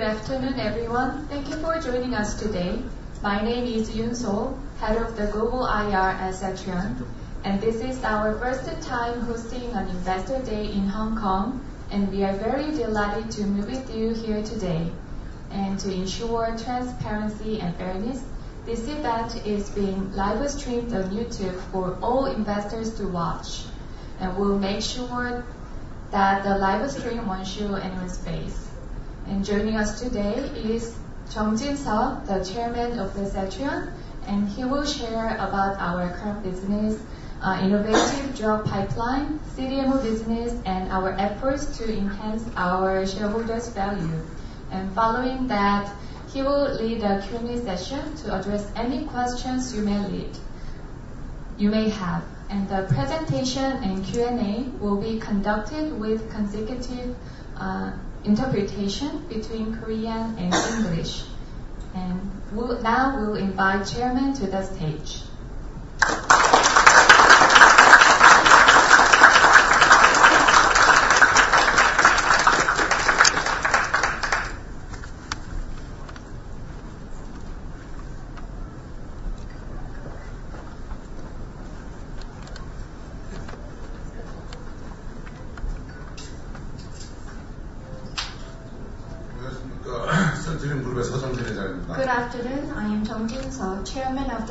Good afternoon, everyone. Thank you for joining us today. My name is Yoon Seol, Head of the Global IR at Celltrion, and this is our first time hosting an Investor Day in Hong Kong. We are very delighted to meet with you here today. To ensure transparency and fairness, this event is being live-streamed on YouTube for all investors to watch, and we'll make sure that the live stream won't show anyone's face. Joining us today is Jung-jin Seo, the Chairman of Celltrion, and he will share about our current business, innovative drug pipeline, CDMO business, and our efforts to enhance our shareholders' value. Following that, he will lead a Q&A session to address any questions you may have. The presentation and Q&A will be conducted with consecutive interpretation between Korean and English. Now, we'll invite the Chairman to the stage.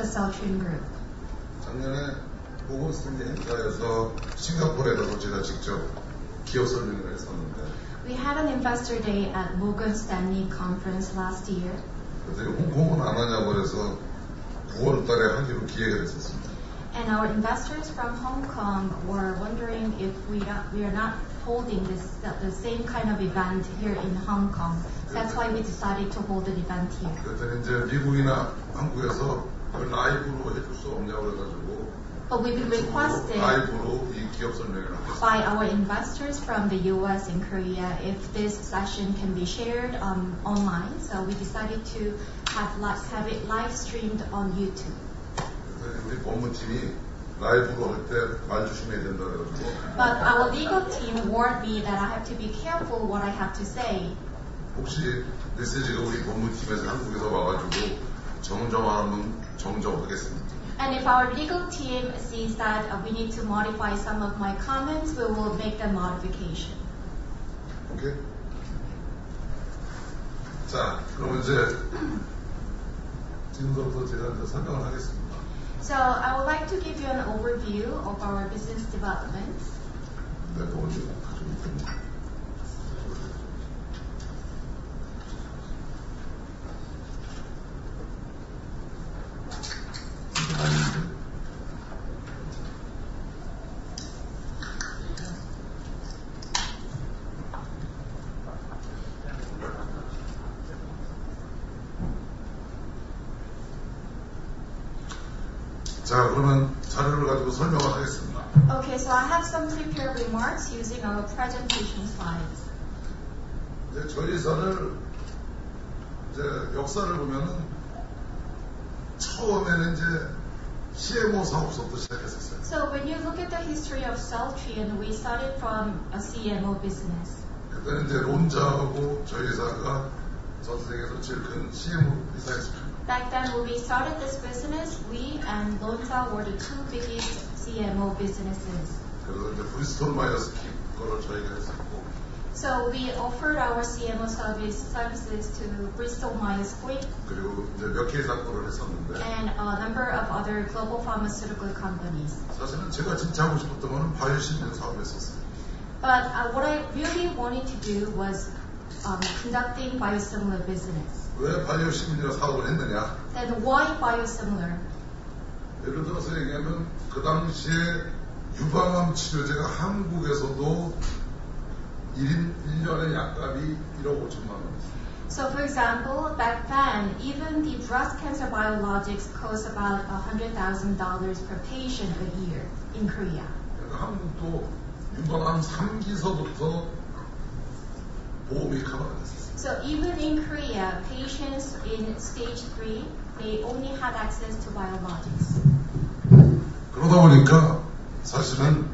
Celltrion Group의 서정진 회장입니다. Good afternoon. I am Chung Jin Seo, Chairman of the Celltrion Group. 작년에 모건스탠리 행사에서 싱가포르에서 제가 직접 기업 설명회를 했었는데 We had an Investor Day at the Morgan Stanley Conference last year. 그런데 홍콩은 안 하냐고 해서 9월에 하기로 기획을 했었습니다. Our investors from Hong Kong were wondering if we are not holding the same kind of event here in Hong Kong. That's why we decided to hold the event here. 그랬더니 미국이나 한국에서 라이브로 해줄 수 없냐고 해가지고 But we've been requested. 라이브로 이 기업 설명회를 하고 싶어요. By our investors from the US and Korea, if this session can be shared online, so we decided to have it live-streamed on YouTube. 그랬더니 우리 법무팀이 라이브로 할때말 조심해야 된다고 해가지고 But our legal team warned me that I have to be careful what I have to say. 혹시 메시지가 우리 법무팀에서 한국에서 와가지고 정정하면 정정하겠습니다. If our legal team sees that we need to modify some of my comments, we will make the modification. 오케이. 자, 그럼 이제 찍은 것부터 제가 설명을 하겠습니다. I would like to give you an overview of our business development. 네, 먼저 가져올게요. 자, 그러면 자료를 가지고 설명을 하겠습니다. Okay, so I have some prepared remarks using our presentation slides. 저희 회사의 역사를 보면 처음에는 CMO 사업부터 시작했었어요. When you look at the history of Celltrion, we started from a CMO business. 그때는 론자하고 저희 회사가 전 세계에서 제일 큰 CMO 회사였습니다. Back then when we started this business, we and Lonza were the two biggest CMO businesses. 그래서 Bristol-Myers Squibb을 저희가 했었고 We offered our CMO services to Bristol Myers Squibb. 그리고 몇 개의 상품을 했었는데 And a number of other global pharmaceutical companies. 사실은 제가 진짜 하고 싶었던 거는 바이오시민이라는 사업을 했었어요. But what I really wanted to do was conduct biosimilar business. 왜 바이오시민이라는 사업을 했느냐 And why biosimilar? 예를 들어서 얘기하면 그 당시에 유방암 치료제가 한국에서도 1년에 약값이 ₩150,000,000이었습니다. For example, back then even the breast cancer biologics cost about $100,000 per patient a year in Korea. 한국도 유방암 3기서부터 보험이 커버가 됐었어요. Even in Korea, patients in stage 3 only had access to biologics. 그러다 보니까 사실은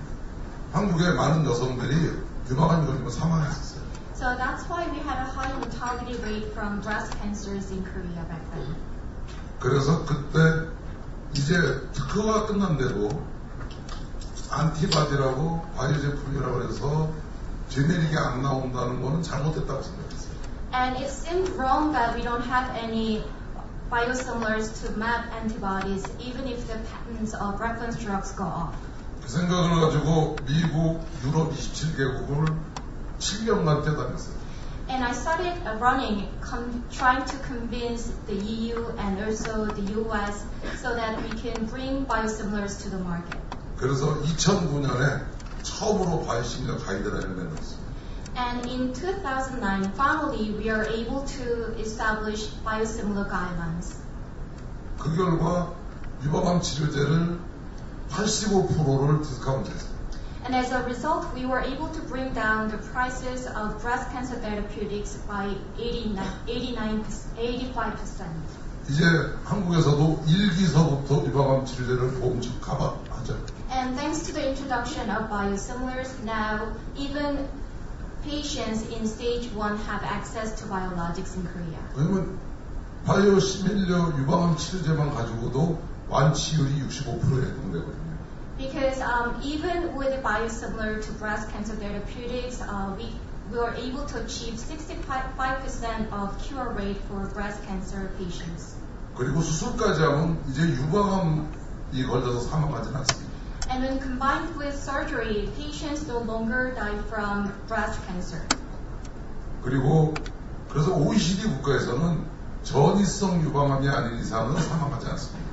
한국에 많은 여성들이 유방암에 걸리면 사망했었어요. That's why we had a high mortality rate from breast cancers in Korea back then. 그래서 그때 이제 특허가 끝난 데도 항체라고 바이오 제품이라고 해서 제네릭이 안 나온다는 것은 잘못됐다고 생각했어요. It seemed wrong that we don't have any biosimilars to monoclonal antibodies even if the patents of reference drugs go off. 그 생각을 가지고 미국, 유럽 27개국을 7년간 뛰어다녔어요. I started running, trying to convince the EU and also the US so that we can bring biosimilars to the market. 그래서 2009년에 처음으로 바이오시민 가이드라인을 내놓았습니다. In 2009, finally we are able to establish biosimilar guidelines. 그 결과 유방암 치료제를 85% 디스카운트했어요. As a result, we were able to bring down the prices of breast cancer therapeutics by 85%. 이제 한국에서도 1기부터 유방암 치료제를 보험처럼 커버하죠. Thanks to the introduction of biosimilars, now even patients in stage 1 have access to biologics in Korea. 왜냐하면 바이오시밀러 유방암 치료제만 가지고도 완치율이 65%에 해당되거든요. Because even with biosimilar breast cancer therapeutics, we were able to achieve a 65% cure rate for breast cancer patients. 그리고 수술까지 하면 이제 유방암이 걸려서 사망하지 않습니다. When combined with surgery, patients no longer die from breast cancer. 그리고 그래서 OECD 국가에서는 전이성 유방암이 아닌 이상은 사망하지 않습니다.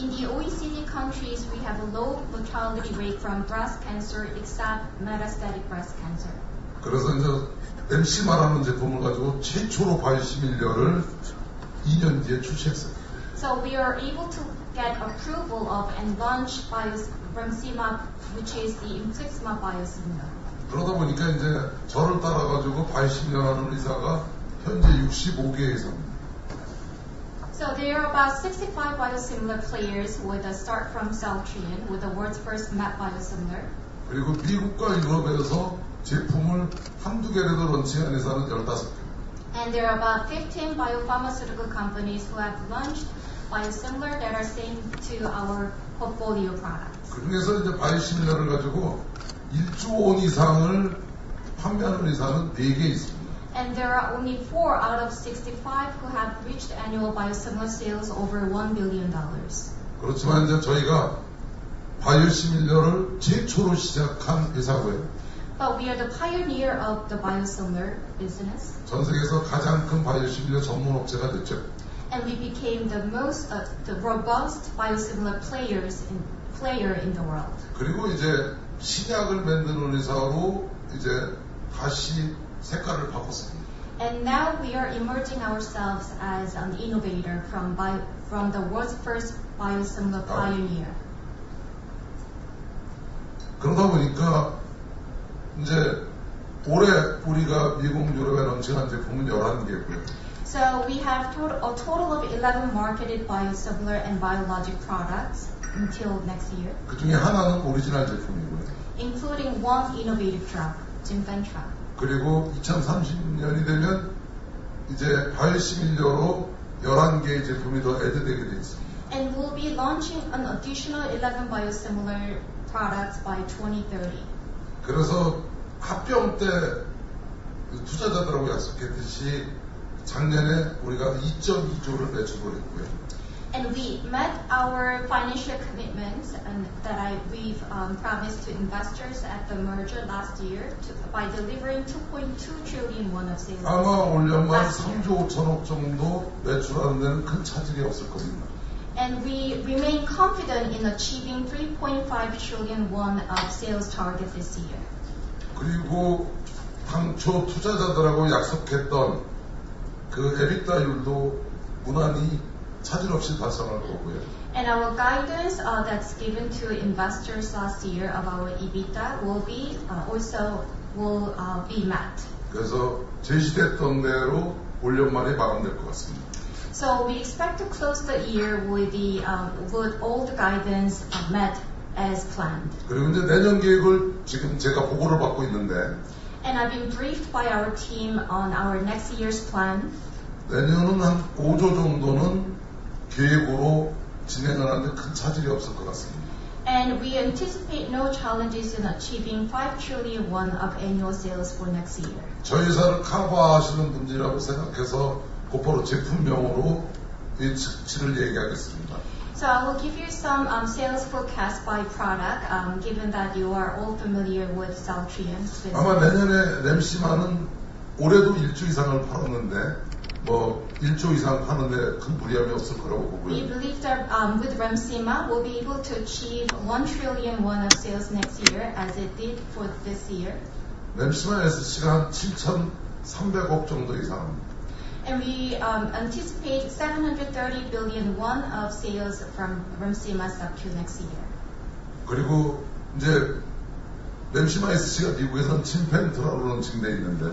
In the OECD countries, we have a low mortality rate from breast cancer except metastatic breast cancer. 그래서 이제 MCMAR라는 제품을 가지고 최초로 바이오시밀러를 2년 뒤에 출시했어요. We are able to get approval of and launch from CMAR, which is the Inflectra biosimilar. 그러다 보니까 이제 저를 따라가지고 바이오시밀러 하는 의사가 현재 65개 회사입니다. There are about 65 biosimilar players who start from Celltrion with the world's first mAb biosimilar. 그리고 미국과 유럽에서 제품을 한두 개라도 런칭한 회사는 15개입니다. There are about 15 biopharmaceutical companies who have launched biosimilars that are same to our portfolio products. 그중에서 이제 바이오시밀러를 가지고 1조 원 이상을 판매하는 회사는 4개 있습니다. There are only 4 out of 65 who have reached annual biosimilar sales over $1 billion. 그렇지만 이제 저희가 바이오시밀러를 최초로 시작한 회사고요. But we are the pioneer of the biosimilar business. 전 세계에서 가장 큰 바이오시밀러 전문 업체가 됐죠. And we became the most robust biosimilar player in the world. 그리고 이제 신약을 만드는 회사로 이제 다시 색깔을 바꿨습니다. Now we are emerging ourselves as an innovator from the world's first biosimilar pioneer. 그러다 보니까 이제 올해 우리가 미국, 유럽에 런칭한 제품은 11개고요. We have a total of 11 marketed biosimilar and biologic products until next year. 그중에 하나는 오리지널 제품이고요. Including one innovative drug, Jinfen drug. 그리고 2030년이 되면 이제 바이오시밀러로 11개의 제품이 더 추가되게 되어 있습니다. We'll be launching an additional 11 biosimilar products by 2030. 그래서 합병 때 투자자들하고 약속했듯이 작년에 우리가 ₩2.2조를 매출을 했고요. We met our financial commitments that we've promised to investors at the merger last year by delivering ₩2.2 trillion of sales. 아마 올 연말 3조 5천억 정도 매출하는 데는 큰 차질이 없을 겁니다. We remain confident in achieving ₩3.5 trillion of sales target this year. 그리고 당초 투자자들하고 약속했던 그 EBITDA율도 무난히 차질 없이 달성할 거고요. Our guidance that's given to investors last year about EBITDA will also be met. 그래서 제시됐던 대로 올 연말에 마감될 것 같습니다. We expect to close the year with all the guidance met as planned. 그리고 이제 내년 계획을 지금 제가 보고를 받고 있는데 I've been briefed by our team on our next year's plan. 내년은 한 5조 정도는 계획으로 진행을 하는데 큰 차질이 없을 것 같습니다. We anticipate no challenges in achieving ₩5 trillion of annual sales for next year. 저희 회사를 커버하시는 분들이라고 생각해서 곧바로 제품명으로 이 수치를 얘기하겠습니다. I will give you some sales forecast by product given that you are all familiar with Celltrion. 아마 내년에 램시마는 올해도 ₩1조 이상을 팔았는데 뭐 ₩1조 이상 파는데 큰 무리함이 없을 거라고 보고요. We believe that with Remsima we'll be able to achieve ₩1 trillion of sales next year as it did for this year. 램시마의 수치가 한 ₩7,300억 정도 예상합니다. We anticipate ₩730 billion of sales from Remsima stock next year. 그리고 이제 램시마 SC가 미국에서는 침팬트라로 런칭돼 있는데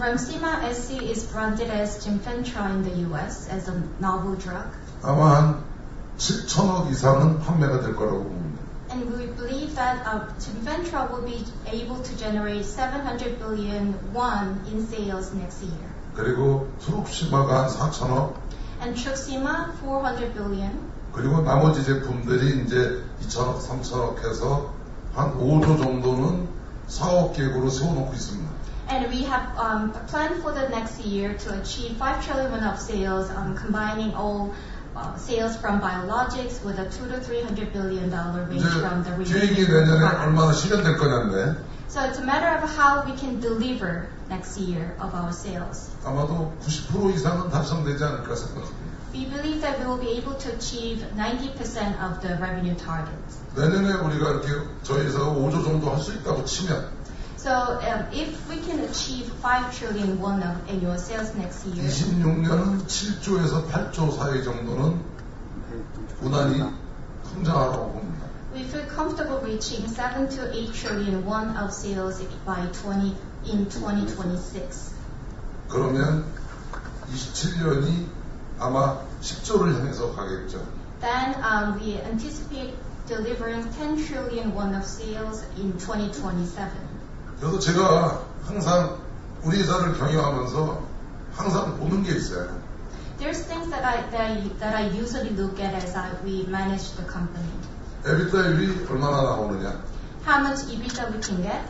Remsima SC is branded as Zymfentra in the U.S. as a novel drug. 아마 한 ₩7,000억 이상은 판매가 될 거라고 봅니다. We believe that Zymfentra will be able to generate ₩700 billion in sales next year. 그리고 트룩시마가 한 4,000억. And Truxima $400 billion. 그리고 나머지 제품들이 이제 2,000억, 3,000억 해서 한 5조 정도는 사업 계획으로 세워놓고 있습니다. We have planned for the next year to achieve ₩5 trillion of sales combining all sales from biologics with a $200 to $300 billion range from the revenue. 이게 내년에 얼마나 실현될 거냐인데 It's a matter of how we can deliver next year of our sales. 아마도 90% 이상은 달성되지 않을까 생각합니다. We believe that we'll be able to achieve 90% of the revenue target. 내년에 우리가 이렇게 저희 회사가 5조 정도 할수 있다고 치면 If we can achieve ₩5 trillion of annual sales next year. 26년은 7조에서 8조 사이 정도는 무난히 성장할 것으로 봅니다. We feel comfortable reaching ₩7 to 8 trillion of sales by 2026. 그러면 2027년이 아마 10조를 향해서 가겠죠. We anticipate delivering ₩10 trillion of sales in 2027. 그래서 제가 항상 우리 회사를 경영하면서 항상 보는 게 있어요. There are things that I usually look at as we manage the company. EBITDA율이 얼마나 나오느냐. How much EBITDA we can get.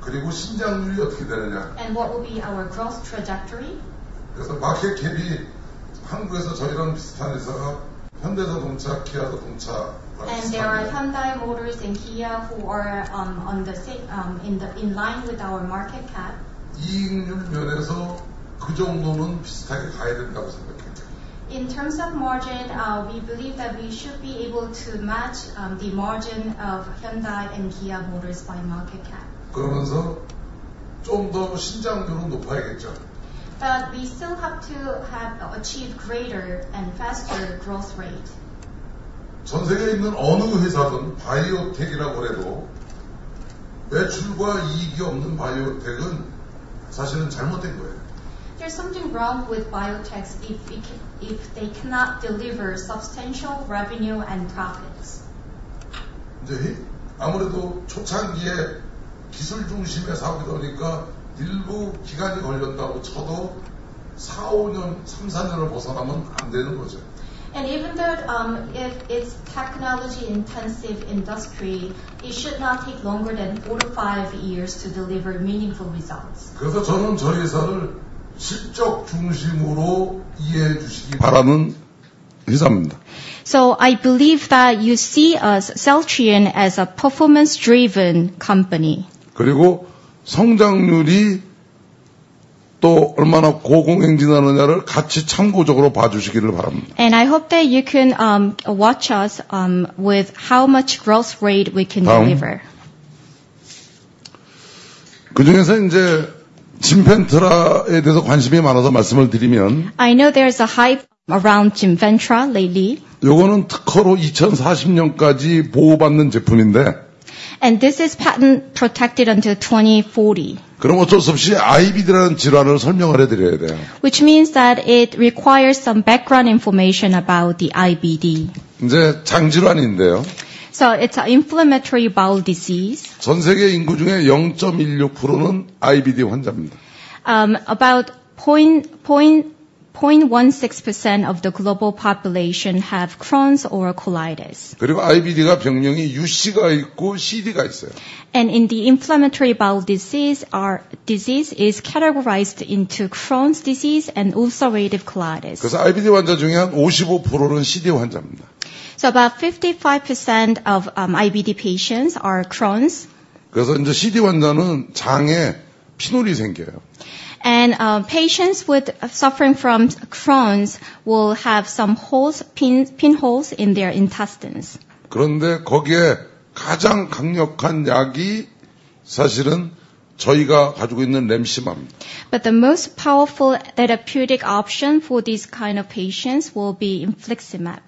그리고 신장률이 어떻게 되느냐. And what will be our growth trajectory. 그래서 마켓캡이 한국에서 저희랑 비슷한 회사가 현대자동차, 기아자동차라고. There are Hyundai Motors and Kia who are in line with our market cap. 이익률 면에서 그 정도는 비슷하게 가야 된다고 생각해요. In terms of margin, we believe that we should be able to match the margin of Hyundai and Kia Motors by market cap. 그러면서 좀더 신장률은 높아야겠죠. But we still have to have achieved greater and faster growth rate. 전 세계에 있는 어느 회사든 바이오텍이라고 그래도 매출과 이익이 없는 바이오텍은 사실은 잘못된 거예요. There's something wrong with biotechs if they cannot deliver substantial revenue and profits. 이제 아무래도 초창기에 기술 중심의 사업이다 보니까 일부 기간이 걸린다고 쳐도 4, 5년, 3, 4년을 벗어나면 안 되는 거죠. Even though it's a technology-intensive industry, it should not take longer than 4 to 5 years to deliver meaningful results. 그래서 저는 저희 회사를 실적 중심으로 이해해 주시기 바라는 회사입니다. I believe that you see us, Celltrion, as a performance-driven company. 그리고 성장률이 또 얼마나 고공행진하느냐를 같이 참고적으로 봐주시기를 바랍니다. I hope that you can watch us with how much growth rate we can deliver. 그중에서 이제 짐펜트라에 대해서 관심이 많아서 말씀을 드리면 I know there's a hype around Zymfentra lately. 이거는 특허로 2040년까지 보호받는 제품인데 This is patent protected until 2040. 그럼 어쩔 수 없이 IBD라는 질환을 설명을 해드려야 돼요. Which means that it requires some background information about the IBD. 이제 장질환인데요. It's an inflammatory bowel disease. 전 세계 인구 중에 0.16%는 IBD 환자입니다. About 0.16% of the global population have Crohn's or colitis. 그리고 IBD가 병명이 UC가 있고 CD가 있어요. In inflammatory bowel disease, the disease is categorized into Crohn's disease and ulcerative colitis. 그래서 IBD 환자 중에 한 55%는 CD 환자입니다. About 55% of IBD patients are Crohn's. 그래서 이제 CD 환자는 장에 핀홀이 생겨요. Patients suffering from Crohn's will have some pinholes in their intestines. 그런데 거기에 가장 강력한 약이 사실은 저희가 가지고 있는 램시마입니다. But the most powerful therapeutic option for this kind of patients will be Infliximab.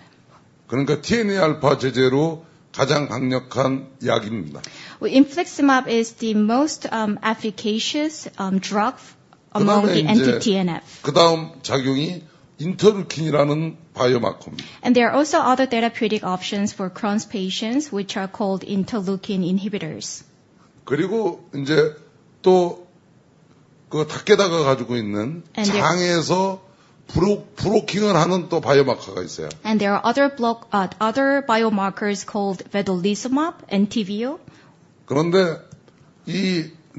그러니까 TNF-알파 제재로 가장 강력한 약입니다. Infliximab is the most efficacious drug among the anti-TNF. 그다음 작용이 인터루킨이라는 바이오마커입니다. There are also other therapeutic options for Crohn's patients which are called interleukin inhibitors. 그리고 이제 또그 닥터가 가지고 있는 장에서 브로킹을 하는 또 바이오마커가 있어요. And there are other biomarkers called vedolizumab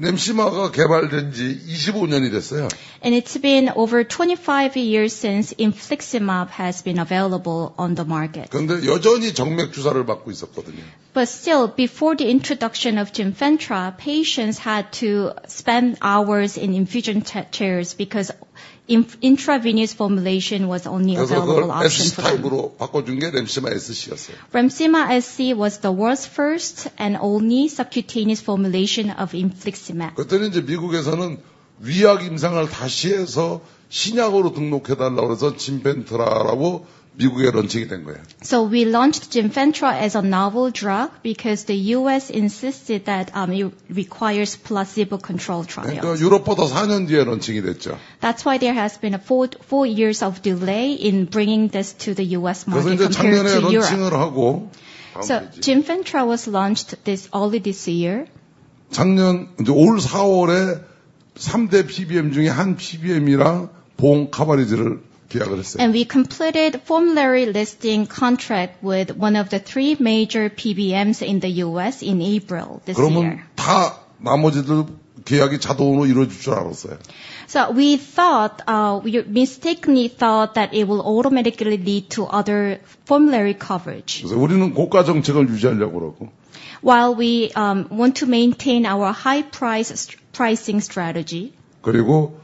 and Entyvio. 그런데 이 램시마가 개발된 지 25년이 됐어요. It's been over 25 years since Infliximab has been available on the market. 그런데 여전히 정맥주사를 받고 있었거든요. But still, before the introduction of Zymfentra, patients had to spend hours in infusion chairs because intravenous formulation was the only available option. 그래서 램시마 쪽으로 바꿔준 게 램시마 SC였어요. Ramsima SC was the world's first and only subcutaneous formulation of Infliximab. 그때는 이제 미국에서는 위약 임상을 다시 해서 신약으로 등록해 달라고 그래서 Zymfentra 라고 미국에 런칭이 된 거예요. We launched Zymfentra as a novel drug because the US insisted that it requires placebo control trials. 그러니까 유럽보다 4년 뒤에 런칭이 됐죠. That's why there has been a 4-year delay in bringing this to the US market. 그래서 이제 작년에 런칭을 하고. Zymfentra was launched early this year. 작년 이제 올 4월에 3대 PBM 중에 한 PBM이랑 보험 커버리지를 계약을 했어요. We completed formulary listing contract with one of the three major PBMs in the U.S. in April this year. 그러면 나머지들 계약이 자동으로 이루어질 줄 알았어요. We thought, we mistakenly thought that it would automatically lead to other formulary coverage. 그래서 우리는 고가 정책을 유지하려고 합니다. While we want to maintain our high pricing strategy. 그리고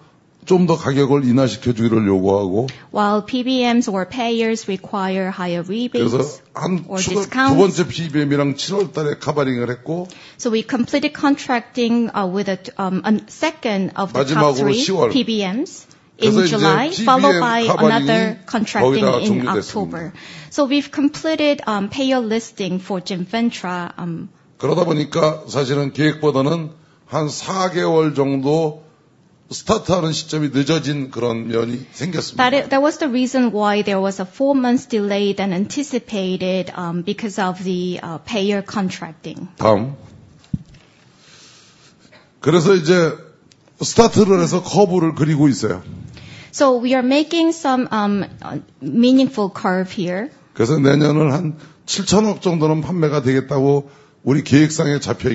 좀더 가격을 인하시켜 주기를 요구하고. While PBMs or payers require higher rebates. 그래서 한두 번째 PBM이랑 7월 달에 커버링을 했고. We completed contracting with a second of the. 마지막으로 10월에. PBMs in July followed by another contracting in October. So we've completed payer listing for Zymfentra. 그러다 보니까 사실은 계획보다는 한 4개월 정도 스타트하는 시점이 늦어진 그런 면이 생겼습니다. That was the reason why there was a 4-month delay than anticipated because of the payer contracting. 다음. 그래서 이제 스타트를 해서 커브를 그리고 있어요. We are making some meaningful curve here. 그래서 내년은 한 ₩7,000억 정도는 판매가 되겠다고 우리 계획상에 잡혀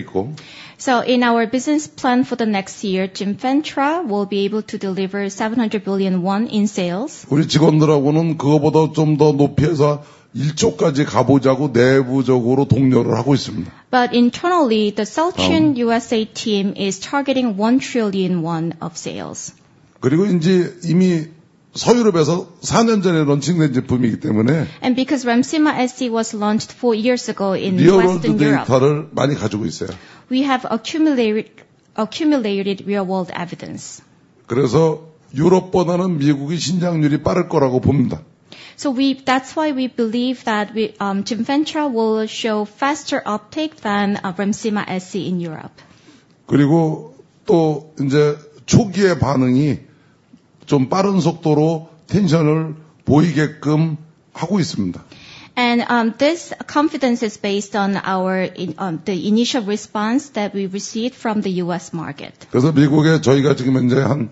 있고. In our business plan for the next year, Zymfentra will be able to deliver ₩700 billion in sales. 우리 직원들하고는 그거보다 좀더 높이 해서 1조까지 가보자고 내부적으로 독려를 하고 있습니다. But internally, the Celltrion USA team is targeting ₩1 trillion of sales. 그리고 이제 이미 서유럽에서 4년 전에 런칭된 제품이기 때문에. Because Ramsima SC was launched 4 years ago in Western Europe. 유럽에서 데이터를 많이 가지고 있어요. We have accumulated real-world evidence. 그래서 유럽보다는 미국이 신장률이 빠를 거라고 봅니다. That's why we believe that Zymfentra will show faster uptake than Ramsima SC in Europe. 그리고 또 이제 초기의 반응이 좀 빠른 속도로 긴장을 보이게끔 하고 있습니다. This confidence is based on the initial response that we received from the US market. 그래서 미국에 저희가 지금 현재 한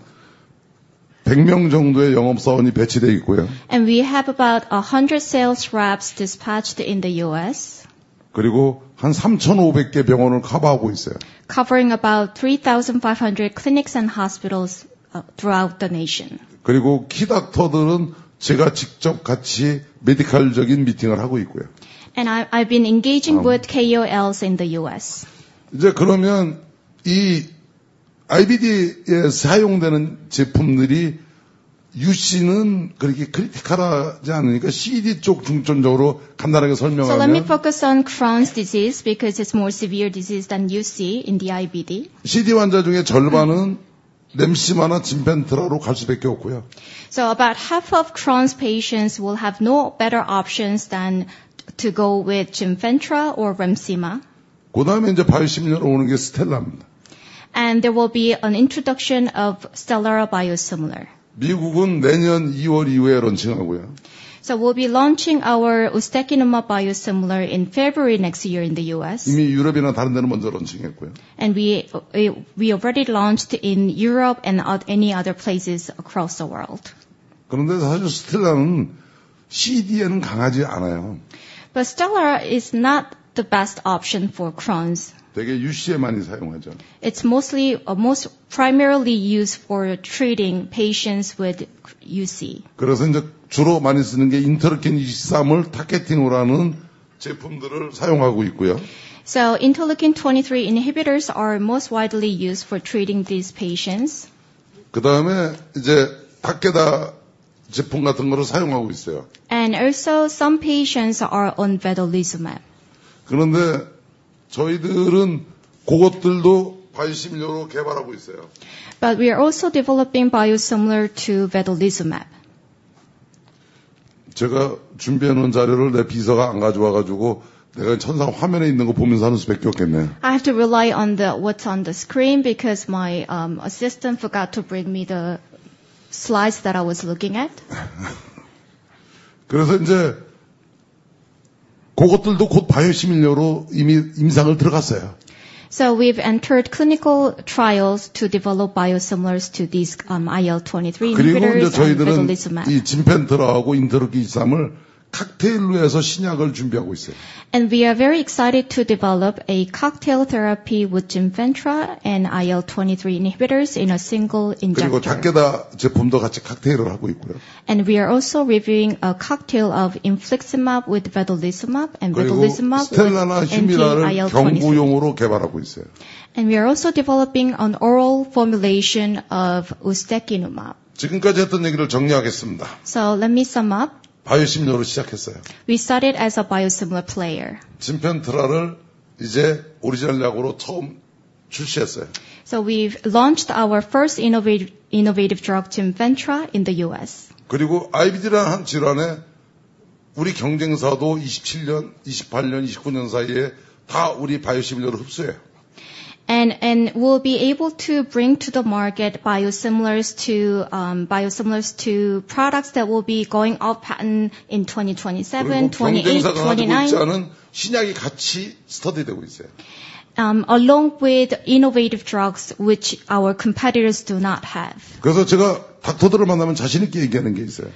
100명 정도의 영업사원이 배치되어 있고요. We have about 100 sales reps dispatched in the U.S. 그리고 한 3,500개 병원을 커버하고 있어요. Covering about 3,500 clinics and hospitals throughout the nation. 그리고 키닥터들은 제가 직접 같이 메디컬적인 미팅을 하고 있고요. I've been engaging with KOLs in the US. 이제 그러면 이 IBD에 사용되는 제품들이 UC는 그렇게 크리티컬하지 않으니까 CD 쪽 중점적으로 간단하게 설명을 하면. Let me focus on Crohn's disease because it's more severe disease than UC in the IBD. CD 환자 중에 절반은 램시마나 짐펜트라로 갈 수밖에 없고요. About half of Crohn's patients will have no better options than to go with Zymfentra or Ramsima. 스텔라라 바이오시밀러가 출시될 예정입니다. There will be an introduction of Stelara biosimilar. 미국은 내년 2월 이후에 런칭하고요. We'll be launching our Ustekinumab biosimilar in February next year in the US. 이미 유럽이나 다른 데는 먼저 런칭했고요. We already launched in Europe and other places across the world. 그런데 사실 스텔라는 CD에는 강하지 않아요. But Stelara is not the best option for Crohn's. 대개 UC에 많이 사용하죠. It's mostly primarily used for treating patients with UC. 그래서 이제 주로 많이 쓰는 게 인터루킨 23을 타겟팅으로 하는 제품들을 사용하고 있고요. Interleukin 23 inhibitors are most widely used for treating these patients. 그다음에 이제 닥터지 제품 같은 거를 사용하고 있어요. And also some patients are on vedolizumab. 그런데 저희들은 그것들도 80년으로 개발하고 있어요. But we are also developing biosimilar to vedolizumab. 제가 준비해 놓은 자료를 내 비서가 안 가져와서 내가 어쩔 수 없이 화면에 있는 것을 보면서 할 수밖에 없겠네요. I have to rely on what's on the screen because my assistant forgot to bring me the slides that I was looking at. 그래서 이제 그것들도 곧 바이오시밀러로 이미 임상을 들어갔어요. We've entered clinical trials to develop biosimilars to this IL-23 inhibitor. 그리고 이제 저희들은 이 짐펜트라하고 인터루킨 23을 칵테일로 해서 신약을 준비하고 있어요. We are very excited to develop a cocktail therapy with Zymfentra and IL-23 inhibitors in a single injection. 그리고 닭게다 제품도 같이 칵테일을 하고 있고요. We are also reviewing a cocktail of Infliximab with vedolizumab and vedolizumab. 그리고 스텔라나 시밀라를 경구용으로 개발하고 있어요. We are also developing an oral formulation of Ustekinumab. 지금까지 했던 얘기를 정리하겠습니다. Let me sum up. 바이오시밀러로 시작했어요. We started as a biosimilar player. 짐펜트라를 이제 오리지널 약으로 처음 출시했어요. We've launched our first innovative drug, Zymfentra, in the US. 그리고 IBD라는 질환에 우리 경쟁사도 2027년, 2028년, 2029년 사이에 다 우리 바이오시밀러를 흡수해요. We'll be able to bring to the market biosimilars to products that will be going off patent in 2027, 2028. 경쟁사가 나오는 곳에서는 신약이 같이 스터디되고 있어요. Along with innovative drugs which our competitors do not have. 그래서 제가 닥터들을 만나면 자신 있게 얘기하는 게 있어요.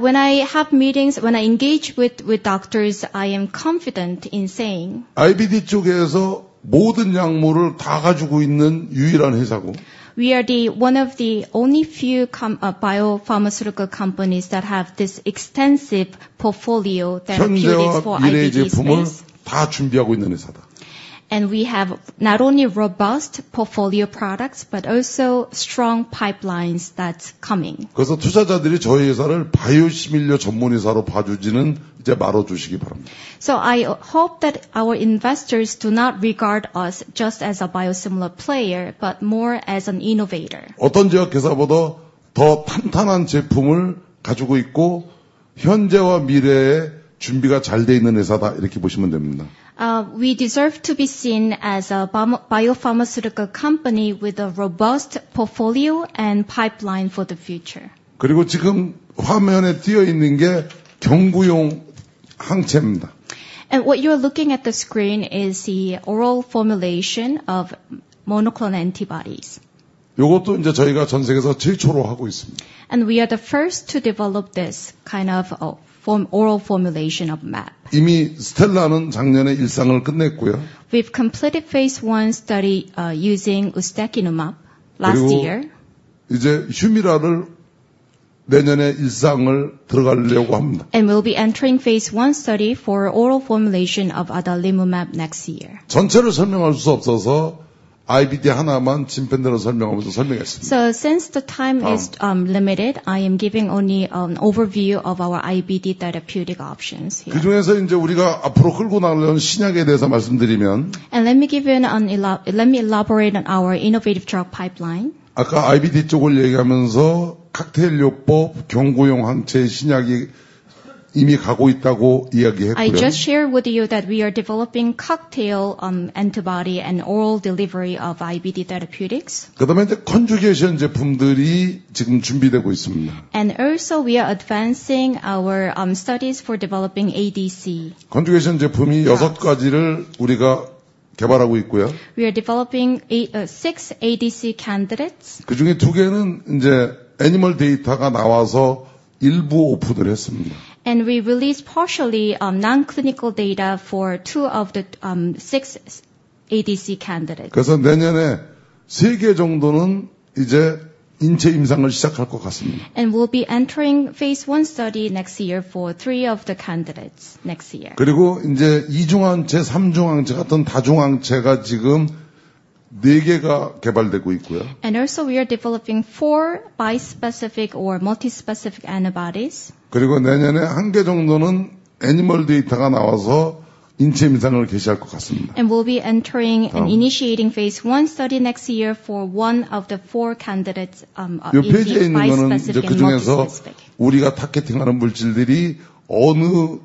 When I have meetings, when I engage with doctors, I am confident in saying. IBD 쪽에서 모든 약물을 다 가지고 있는 유일한 회사고. We are one of the only few biopharmaceutical companies that have this extensive portfolio that creates for IBD disease. 10개월 후 미래의 제품을 다 준비하고 있는 회사다. We have not only robust portfolio products but also strong pipelines that are coming. 그래서 투자자들이 저희 회사를 바이오시밀러 전문 회사로 봐주지는 이제 말아주시기 바랍니다. I hope that our investors do not regard us just as a biosimilar player but more as an innovator. 어떤 제약회사보다 더 탄탄한 제품을 가지고 있고 현재와 미래에 준비가 잘돼 있는 회사다. 이렇게 보시면 됩니다. We deserve to be seen as a biopharmaceutical company with a robust portfolio and pipeline for the future. 그리고 지금 화면에 띄어 있는 게 경구용 항체입니다. What you are looking at on the screen is the oral formulation of monoclonal antibodies. 이것도 이제 저희가 전 세계에서 최초로 하고 있습니다. We are the first to develop this kind of oral formulation of MAP. 이미 스텔라는 작년에 일상을 끝냈고요. We've completed phase one study using Ustekinumab last year. 이제 휴미라를 내년에 일상에 들어가려고 합니다. We'll be entering phase one study for oral formulation of adalimumab next year. 전체를 설명할 수 없어서 IBD 하나만 집중해서 설명했습니다. Since the time is limited, I am giving only an overview of our IBD therapeutic options here. 그중에서 이제 우리가 앞으로 끌고 나가려는 신약에 대해서 말씀드리면. Let me elaborate on our innovative drug pipeline. 아까 IBD 쪽을 얘기하면서 칵테일 요법, 경구용 항체, 신약이 이미 가고 있다고 이야기했고요. I just shared with you that we are developing cocktail antibody and oral delivery of IBD therapeutics. 그다음에 이제 컨주게이션 제품들이 지금 준비되고 있습니다. We are also advancing our studies for developing ADC. 컨주게이션 제품이 6가지를 우리가 개발하고 있고요. We are developing six ADC candidates. 그중에 두 개는 이제 애니멀 데이터가 나와서 일부 오픈을 했습니다. We released partially nonclinical data for two of the six ADC candidates. 그래서 내년에 세개 정도는 이제 인체 임상을 시작할 것 같습니다. We'll be entering phase one study next year for three of the candidates next year. 그리고 이제 이중항체, 삼중항체 같은 다중항체가 지금 네 개가 개발되고 있고요. We are also developing four bispecific or multispecific antibodies. 그리고 내년에 한개 정도는 애니멀 데이터가 나와서 인체 임상을 개시할 것 같습니다. We'll be entering and initiating phase one study next year for one of the four candidates. 이 페이지에 있는 건 이제 그중에서 우리가 타겟팅하는 물질들이 어느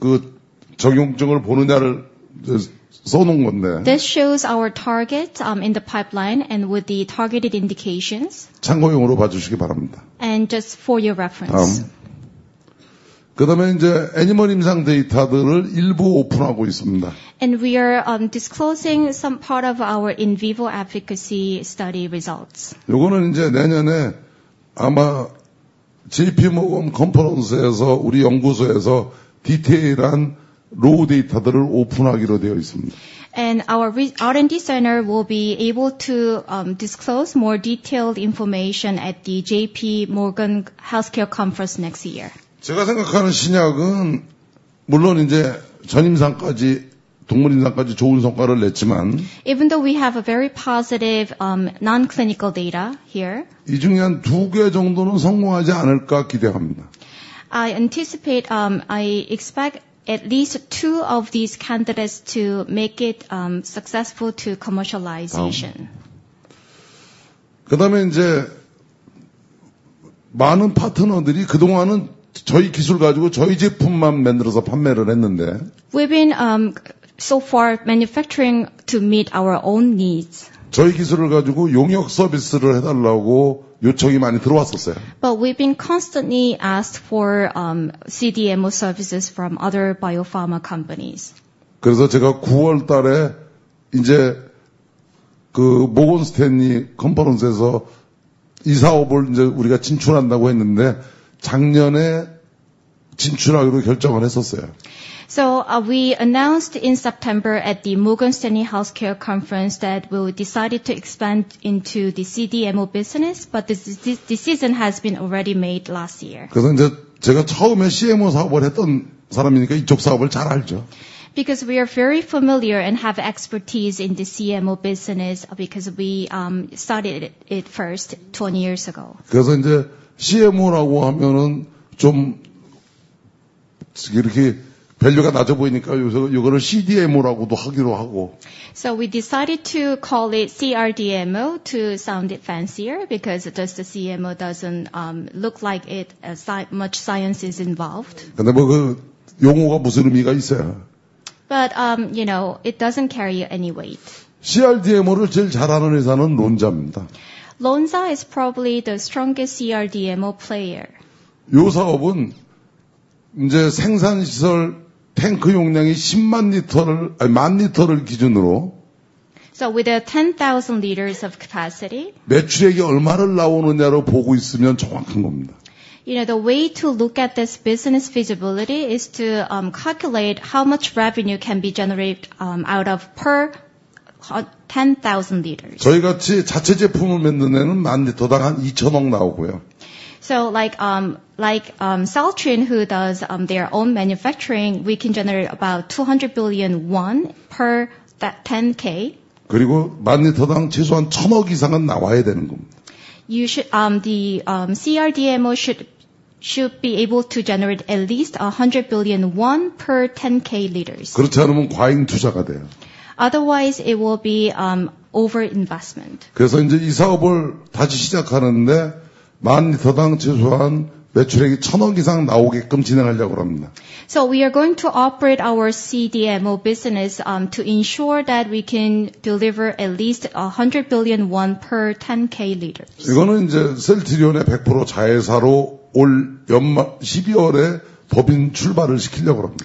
그 적용증을 보느냐를 써놓은 건데요. This shows our target in the pipeline and with the targeted indications. 참고용으로 봐주시기 바랍니다. And just for your reference. 그다음에 이제 애니멀 임상 데이터들을 일부 오픈하고 있습니다. We are disclosing some part of our in vivo efficacy study results. 이거는 이제 내년에 아마 JP Morgan 컨퍼런스에서 우리 연구소에서 디테일한 로우 데이터들을 오픈하기로 되어 있습니다. Our R&D center will be able to disclose more detailed information at the JP Morgan Healthcare Conference next year. 제가 생각하는 신약은 물론 이제 전임상까지 동물 임상까지 좋은 성과를 냈지만. Even though we have very positive nonclinical data here. 이 중에 한두 개 정도는 성공하지 않을까 기대합니다. I anticipate I expect at least two of these candidates to make it successfully to commercialization. 그다음에 이제 많은 파트너들이 그동안은 저희 기술 가지고 저희 제품만 만들어서 판매를 했는데. We've been so far manufacturing to meet our own needs. 저희 기술을 가지고 용역 서비스를 해달라고 요청이 많이 들어왔었어요. But we've been constantly asked for CDMO services from other biopharma companies. 그래서 제가 9월 달에 이제 그 Morgan Stanley 컨퍼런스에서 이 사업을 이제 우리가 진출한다고 했는데 작년에 진출하기로 결정을 했었어요. We announced in September at the Morgan Stanley Healthcare Conference that we decided to expand into the CDMO business, but the decision had already been made last year. 그래서 이제 제가 처음에 CMO 사업을 했던 사람이니까 이쪽 사업을 잘 알죠. Because we are very familiar and have expertise in the CMO business because we started it first 20 years ago. 그래서 이제 CMO라고 하면은 좀 이렇게 밸류가 낮아 보이니까 이거를 CDMO라고도 하기로 하고. We decided to call it CRDMO to sound fancier because just CMO doesn't look like much science is involved. 근데 뭐그 용어가 무슨 의미가 있어요? But you know it doesn't carry any weight. CRDMO를 제일 잘하는 회사는 론자입니다. Lonza is probably the strongest CDMO player. 이 사업은 이제 생산시설 탱크 용량이 10만 리터를 아니 1만 리터를 기준으로. With a 10,000 liters of capacity. 매출액이 얼마를 나오느냐로 보고 있으면 정확한 겁니다. You know the way to look at this business feasibility is to calculate how much revenue can be generated out of per 10,000 liters. 저희 같이 자체 제품을 만드는 데는 1만 리터당 한 2천억 나오고요. Like Celltrion who does their own manufacturing, we can generate about ₩200 billion per 10K. 그리고 1만 리터당 최소한 1천억 이상은 나와야 되는 겁니다. The CRDMO should be able to generate at least ₩100 billion per 10K liters. 그렇지 않으면 과잉 투자가 돼요. Otherwise it will be over-investment. 그래서 이제 이 사업을 다시 시작하는데 1만 리터당 최소한 매출액이 1,000억 이상 나오게끔 진행하려고 합니다. We are going to operate our CDMO business to ensure that we can deliver at least ₩100 billion per 10K liters. 이거는 이제 셀트리온의 100% 자회사로 올 연말 12월에 법인 출발을 시키려고 합니다.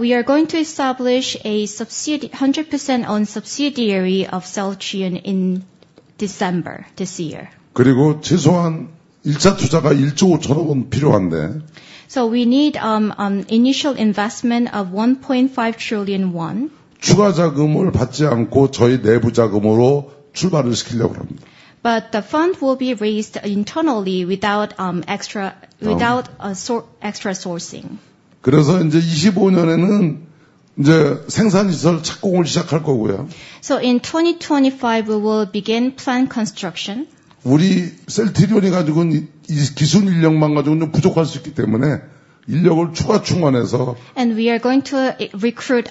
We are going to establish a 100% owned subsidiary of Celltrin in December this year. 그리고 최소한 1차 투자가 ₩1조 5천억은 필요한데. We need an initial investment of ₩1.5 trillion. 추가 자금을 받지 않고 저희 내부 자금으로 출발을 시키려고 합니다. But the fund will be raised internally without extra sourcing. 그래서 이제 2025년에는 이제 생산시설 착공을 시작할 거고요. In 2025 we will begin plant construction. 우리 셀트리온이 가지고 있는 이 기술 인력만 가지고는 좀 부족할 수 있기 때문에 인력을 추가 충원해서. We are going to recruit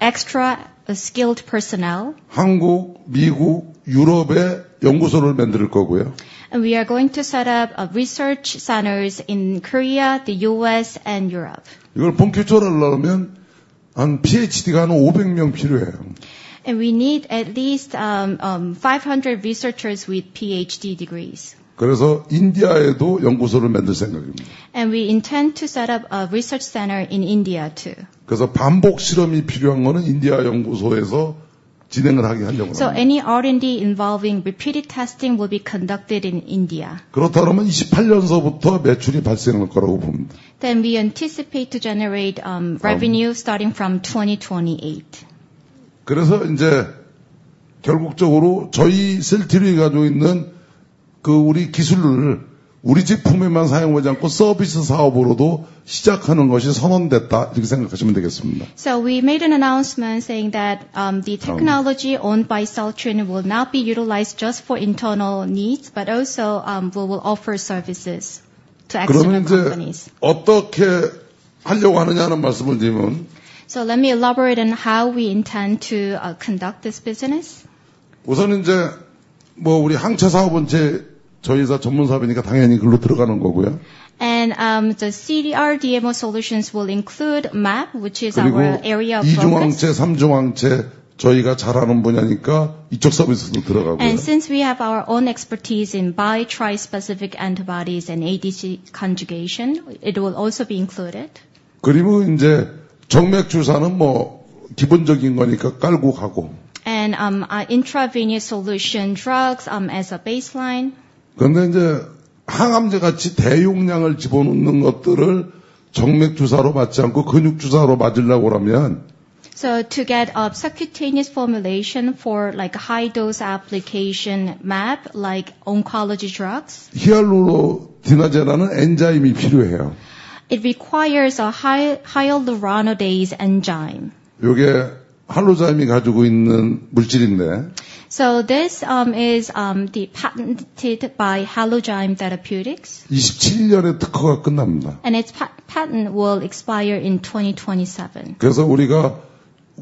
extra skilled personnel. 한국, 미국, 유럽에 연구소를 만들 거고요. We are going to set up research centers in Korea, the US, and Europe. 이걸 펌프처리하려면 한 PhD가 한 500명 필요해요. And we need at least 500 researchers with PhD degrees. 그래서 인도에도 연구소를 만들 생각입니다. We intend to set up a research center in India too. 그래서 반복 실험이 필요한 것은 인디아 연구소에서 진행하게 하려고 합니다. Any R&D involving repeated testing will be conducted in India. 그렇다. 그러면 2028년부터 매출이 발생할 거라고 봅니다. We anticipate to generate revenue starting from 2028. 그래서 이제 결국적으로 저희 셀트리온이 가지고 있는 그 우리 기술을 우리 제품에만 사용하지 않고 서비스 사업으로도 시작하는 것이 선언됐다 이렇게 생각하시면 되겠습니다. We made an announcement saying that the technology owned by Celltrin will not be utilized just for internal needs but also we will offer services to external companies. 그러면 이제 어떻게 하려고 하느냐는 말씀을 드리면. Let me elaborate on how we intend to conduct this business. 우선은 이제 뭐 우리 항체 사업은 저희 회사 전문 사업이니까 당연히 그걸로 들어가는 거고요. The CDRDMO solutions will include MAP, which is our area of. 그리고 이중항체, 삼중항체 저희가 잘하는 분야니까 이쪽 서비스도 들어가고요. Since we have our own expertise in bispecific antibodies and ADC conjugation, it will also be included. 그리고 이제 정맥주사는 뭐 기본적인 거니까 깔고 가고. And intravenous solution drugs as a baseline. 근데 이제 항암제 같이 대용량을 집어넣는 것들을 정맥주사로 맞지 않고 근육주사로 맞으려고 그러면. To get a subcutaneous formulation for high dose application MAP like oncology drugs. 히알루로니다제라는 효소가 필요해요. It requires a hyaluronidase enzyme. 이게 할로자임이 가지고 있는 물질인데. This is patented by Halozyme Therapeutics. 27년에 특허가 끝납니다. And its patent will expire in 2027. 그래서 우리가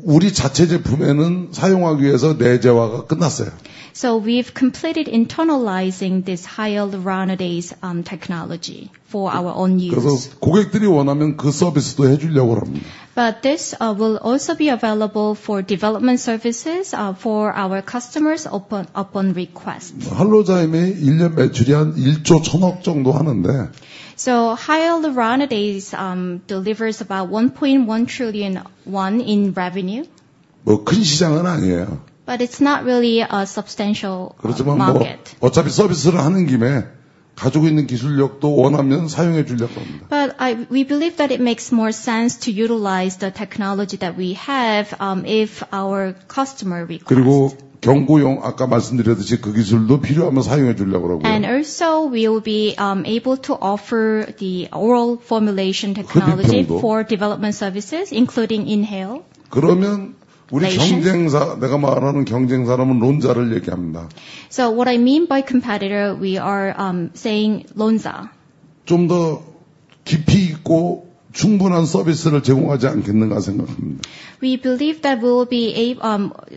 우리 자체 제품에는 사용하기 위해서 내재화가 끝났어요. We've completed internalizing this hyaluronidase technology for our own use. 그래서 고객들이 원하면 그 서비스도 해주려고 합니다. But this will also be available for development services for our customers upon request. Halozyme이 1년 매출이 한 1조 1천억 정도 하는데. Hyaluronidase delivers about ₩1.1 trillion in revenue. 큰 시장은 아니에요. But it's not really a substantial market. 그렇지만 뭐 어차피 서비스를 하는 김에 가지고 있는 기술력도 원하면 사용해 주려고 합니다. But we believe that it makes more sense to utilize the technology that we have if our customer requires it. 그리고 경구용 아까 말씀드렸듯이 그 기술도 필요하면 사용해 주려고 하고요. We will also be able to offer the oral formulation technology for development services, including inhale. 그러면 우리 경쟁사, 내가 말하는 경쟁사라면 론자를 얘기합니다. What I mean by competitor, we are saying Lonza. 좀더 깊이 있고 충분한 서비스를 제공하지 않겠는가 생각합니다. We believe that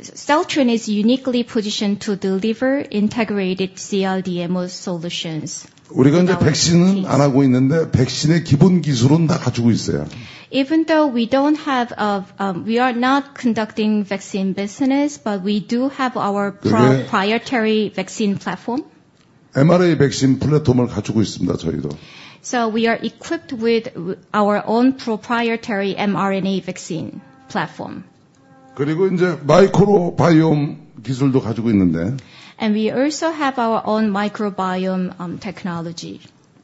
Celltrin is uniquely positioned to deliver integrated CRDMO solutions. 우리가 이제 백신은 안 하고 있는데 백신의 기본 기술은 다 가지고 있어요. Even though we don't have a we are not conducting vaccine business, but we do have our proprietary vaccine platform. mRNA 백신 플랫폼을 가지고 있습니다 저희도. We are equipped with our own proprietary mRNA vaccine platform. 그리고 이제 마이크로바이옴 기술도 가지고 있는데. And we also have our own microbiome technology.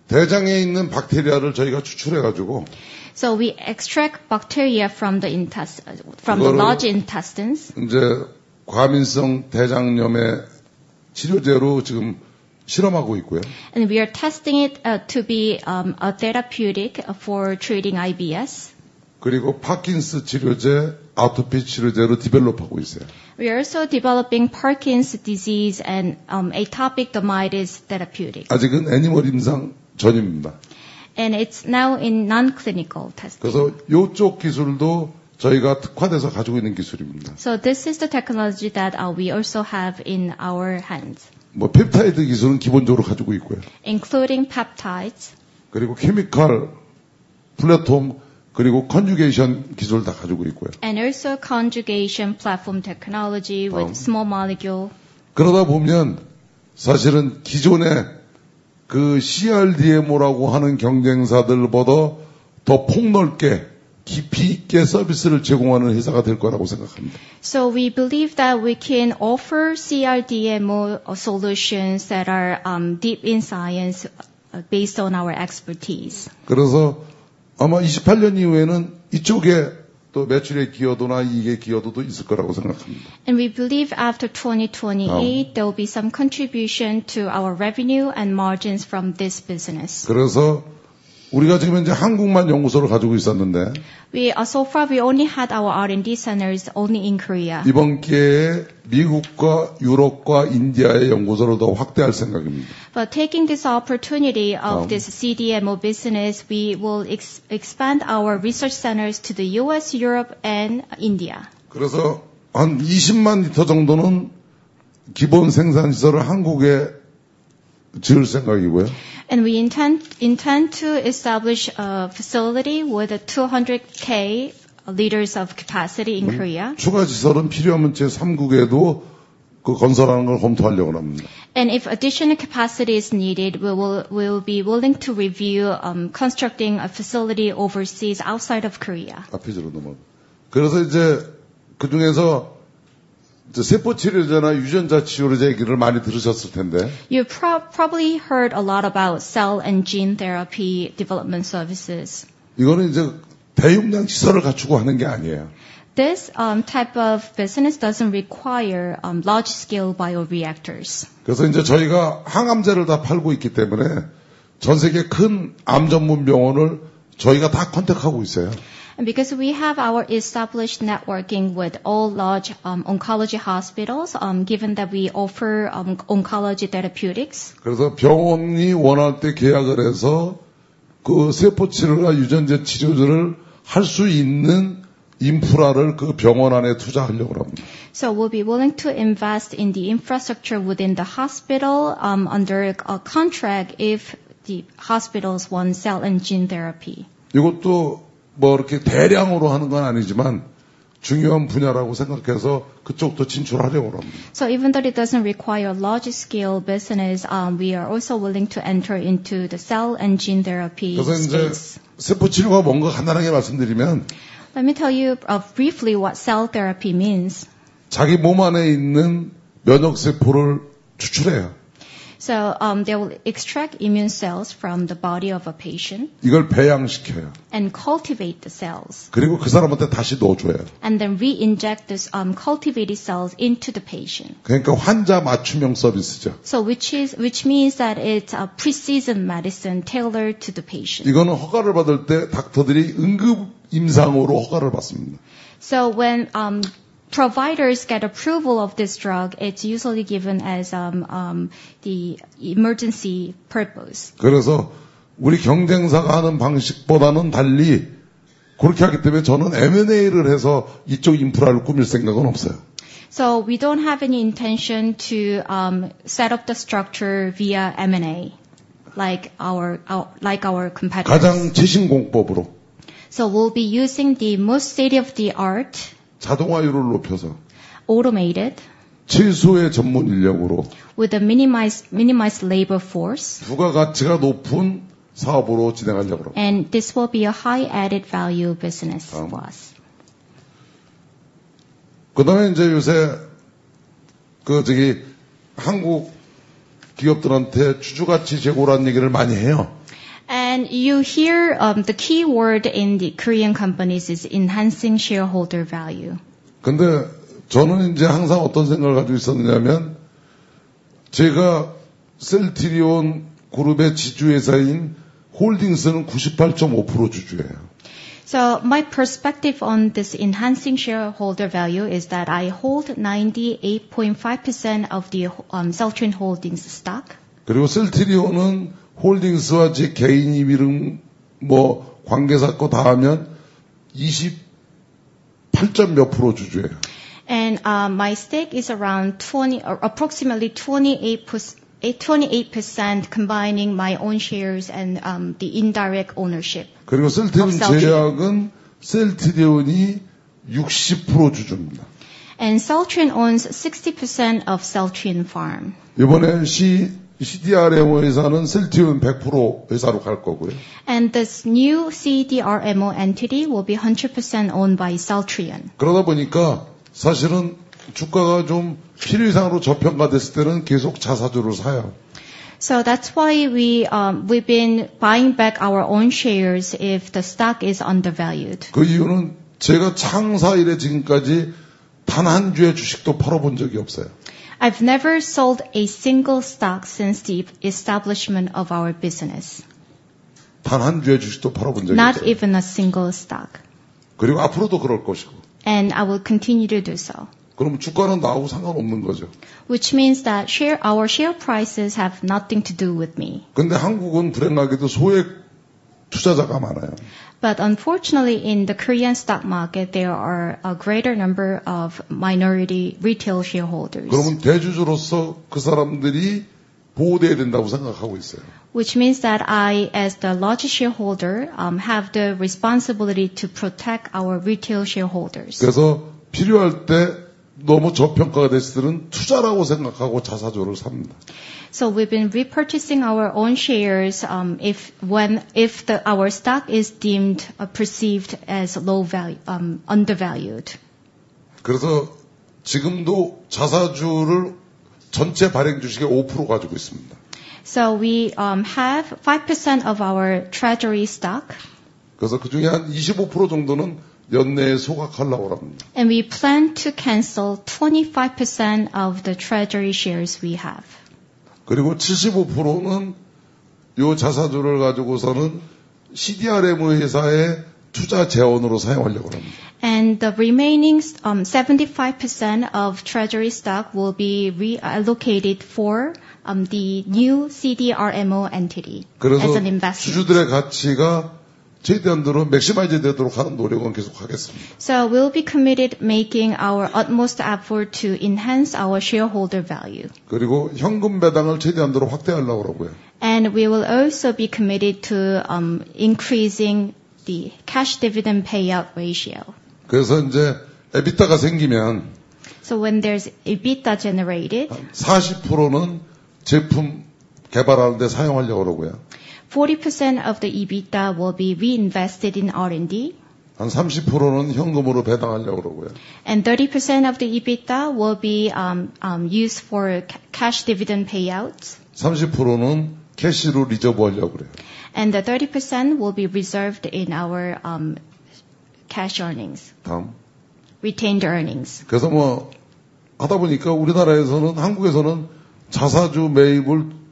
대장에 있는 박테리아를 저희가 추출해 가지고. We extract bacteria from the large intestines. 이제 과민성 대장염의 치료제로 지금 실험하고 있고요. We are testing it to be a therapeutic for treating IBS. 그리고 파킨슨 치료제, 아토피 치료제로 개발하고 있어요. We are also developing Parkinson's disease and atopic dermatitis therapeutics. 아직은 애니멀 임상 전입니다. And it's now in nonclinical testing. 그래서 이쪽 기술도 저희가 특화되어서 가지고 있는 기술입니다. This is the technology that we also have in our hands. 뭐 펩타이드 기술은 기본적으로 가지고 있고요. Including peptides. 그리고 케미컬 플랫폼 그리고 컨주게이션 기술 다 가지고 있고요. And also conjugation platform technology with small molecule. 그러다 보면 사실은 기존에 그 CRDMO라고 하는 경쟁사들보다 더 폭넓게 깊이 있게 서비스를 제공하는 회사가 될 거라고 생각합니다. We believe that we can offer CRDMO solutions that are deep in science based on our expertise. 그래서 아마 2028년 이후에는 이쪽에 또 매출액 기여도나 이익의 기여도도 있을 거라고 생각합니다. We believe after 2028 there will be some contribution to our revenue and margins from this business. 그래서 우리가 지금 현재 한국만 연구소를 가지고 있었는데. So far we only had our R&D centers in Korea. 이번 기회에 미국과 유럽과 인도의 연구소로 더 확대할 생각입니다. But taking this opportunity of this CDMO business, we will expand our research centers to the US, Europe, and India. 그래서 한 20만 리터 정도는 기본 생산시설을 한국에 지을 생각이고요. We intend to establish a facility with 200K liters of capacity in Korea. 추가 시설은 필요하면 제3국에도 그 건설하는 걸 검토하려고 합니다. If additional capacity is needed, we will be willing to review constructing a facility overseas outside of Korea. 앞의 질문 넘어가고 그래서 이제 그 중에서 세포 치료제나 유전자 치료제 얘기를 많이 들으셨을 텐데. You probably heard a lot about cell and gene therapy development services. 이거는 이제 대용량 시설을 갖추고 하는 게 아니에요. This type of business doesn't require large-scale bioreactors. 그래서 이제 저희가 항암제를 다 팔고 있기 때문에 전 세계 큰암 전문 병원을 저희가 다 컨택하고 있어요. Because we have our established networking with all large oncology hospitals, given that we offer oncology therapeutics. 그래서 병원이 원할 때 계약을 해서 그 세포 치료나 유전자 치료제를 할수 있는 인프라를 그 병원 안에 투자하려고 합니다. We'll be willing to invest in the infrastructure within the hospital under a contract if the hospitals want cell and gene therapy. 이것도 뭐 이렇게 대량으로 하는 건 아니지만 중요한 분야라고 생각해서 그쪽도 진출하려고 합니다. Even though it doesn't require large-scale business, we are also willing to enter into the cell and gene therapy business. 그래서 이제 세포 치료가 뭔가 간단하게 말씀드리면. Let me tell you briefly what cell therapy means. 자기 몸 안에 있는 면역 세포를 추출해요. They will extract immune cells from the body of a patient. 이걸 배양시켜요. And cultivate the cells. 그리고 그 사람한테 다시 넣어줘요. And then re-inject these cultivated cells into the patient. 그러니까 환자 맞춤형 서비스죠. Which means that it's a pre-seasoned medicine tailored to the patient. 이거는 허가를 받을 때 닥터들이 응급 임상으로 허가를 받습니다. When providers get approval of this drug, it's usually given as the emergency purpose. 그래서 우리 경쟁사가 하는 방식보다는 다르게 그렇게 하기 때문에 저는 M&A를 해서 이쪽 인프라를 꾸밀 생각은 없어요. We don't have any intention to set up the structure via M&A like our competitors. 가장 최신 공법으로. We'll be using the most state-of-the-art. 자동화율을 높여서. Automated. 최소의 전문 인력으로. With a minimized labor force. 부가가치가 높은 사업으로 진행하려고 합니다. This will be a high added value business for us. 그다음에 이제 요새 그 저기 한국 기업들한테 주주 가치 제고라는 얘기를 많이 해요. You hear the key word in the Korean companies is enhancing shareholder value. 근데 저는 이제 항상 어떤 생각을 가지고 있었느냐면 제가 셀트리온 그룹의 지주회사인 홀딩스는 98.5% 주주예요. My perspective on this enhancing shareholder value is that I hold 98.5% of the Celltrin Holdings stock. 그리고 셀트리온은 홀딩스와 제 개인 이름 뭐 관계사 거다 하면 28% 몇 프로 주주예요. My stake is approximately 28% combining my own shares and the indirect ownership. 그리고 셀트리온 제 계약은 셀트리온이 60% 주주입니다. Celltrion owns 60% of Celltrion Pharm. 이번에 CDRMO 회사는 셀트리온 100% 회사로 갈 거고요. This new CDRMO entity will be 100% owned by Celltrion. 그러다 보니까 사실은 주가가 좀 필요 이상으로 저평가됐을 때는 계속 자사주를 사요. That's why we've been buying back our own shares if the stock is undervalued. 그 이유는 제가 창사 이래 지금까지 단한 주의 주식도 팔아본 적이 없어요. I've never sold a single stock since the establishment of our business. 단한 주의 주식도 팔아본 적이 없어요. Not even a single stock. 그리고 앞으로도 그럴 것이고. I will continue to do so. 그럼 주가는 나하고 상관없는 거죠. Which means that our share prices have nothing to do with me. 근데 한국은 불행하게도 소액 투자자가 많아요. But unfortunately in the Korean stock market there are a greater number of minority retail shareholders. 그러면 대주주로서 그 사람들이 보호되어야 된다고 생각하고 있어요. Which means that I as the large shareholder have the responsibility to protect our retail shareholders. 그래서 필요할 때 너무 저평가가 됐을 때는 투자라고 생각하고 자사주를 삽니다. We've been repurchasing our own shares if our stock is deemed perceived as low value, undervalued. 그래서 지금도 자사주를 전체 발행 주식의 5% 가지고 있습니다. We have 5% of our treasury stock. 그래서 그 중에 한 25% 정도는 연내에 소각하려고 합니다. We plan to cancel 25% of the treasury shares we have. 그리고 75%는 이 자사주를 가지고서는 CDRMO 회사의 투자 재원으로 사용하려고 합니다. The remaining 75% of treasury stock will be reallocated for the new CDRMO entity. 그래서 주주들의 가치가 최대한도로 극대화되도록 하는 노력은 계속하겠습니다. We'll be committed to making our utmost effort to enhance our shareholder value. 그리고 현금 배당을 최대한도로 확대하려고 하고요. We will also be committed to increasing the cash dividend payout ratio. 그래서 이제 에비타가 생기면. When there's EBITDA generated. 40%는 제품 개발하는 데 사용하려고 하고요. 40% of the EBITDA will be reinvested in R&D. 한 30%는 현금으로 배당하려고 하고요. 30% of the EBITDA will be used for cash dividend payouts. 30%는 캐시로 리저브하려고 그래요. The 30% will be reserved in our cash earnings. 다음. Retained earnings. 그래서 뭐 하다 보니까 우리나라에서는 한국에서는 자사주 매입을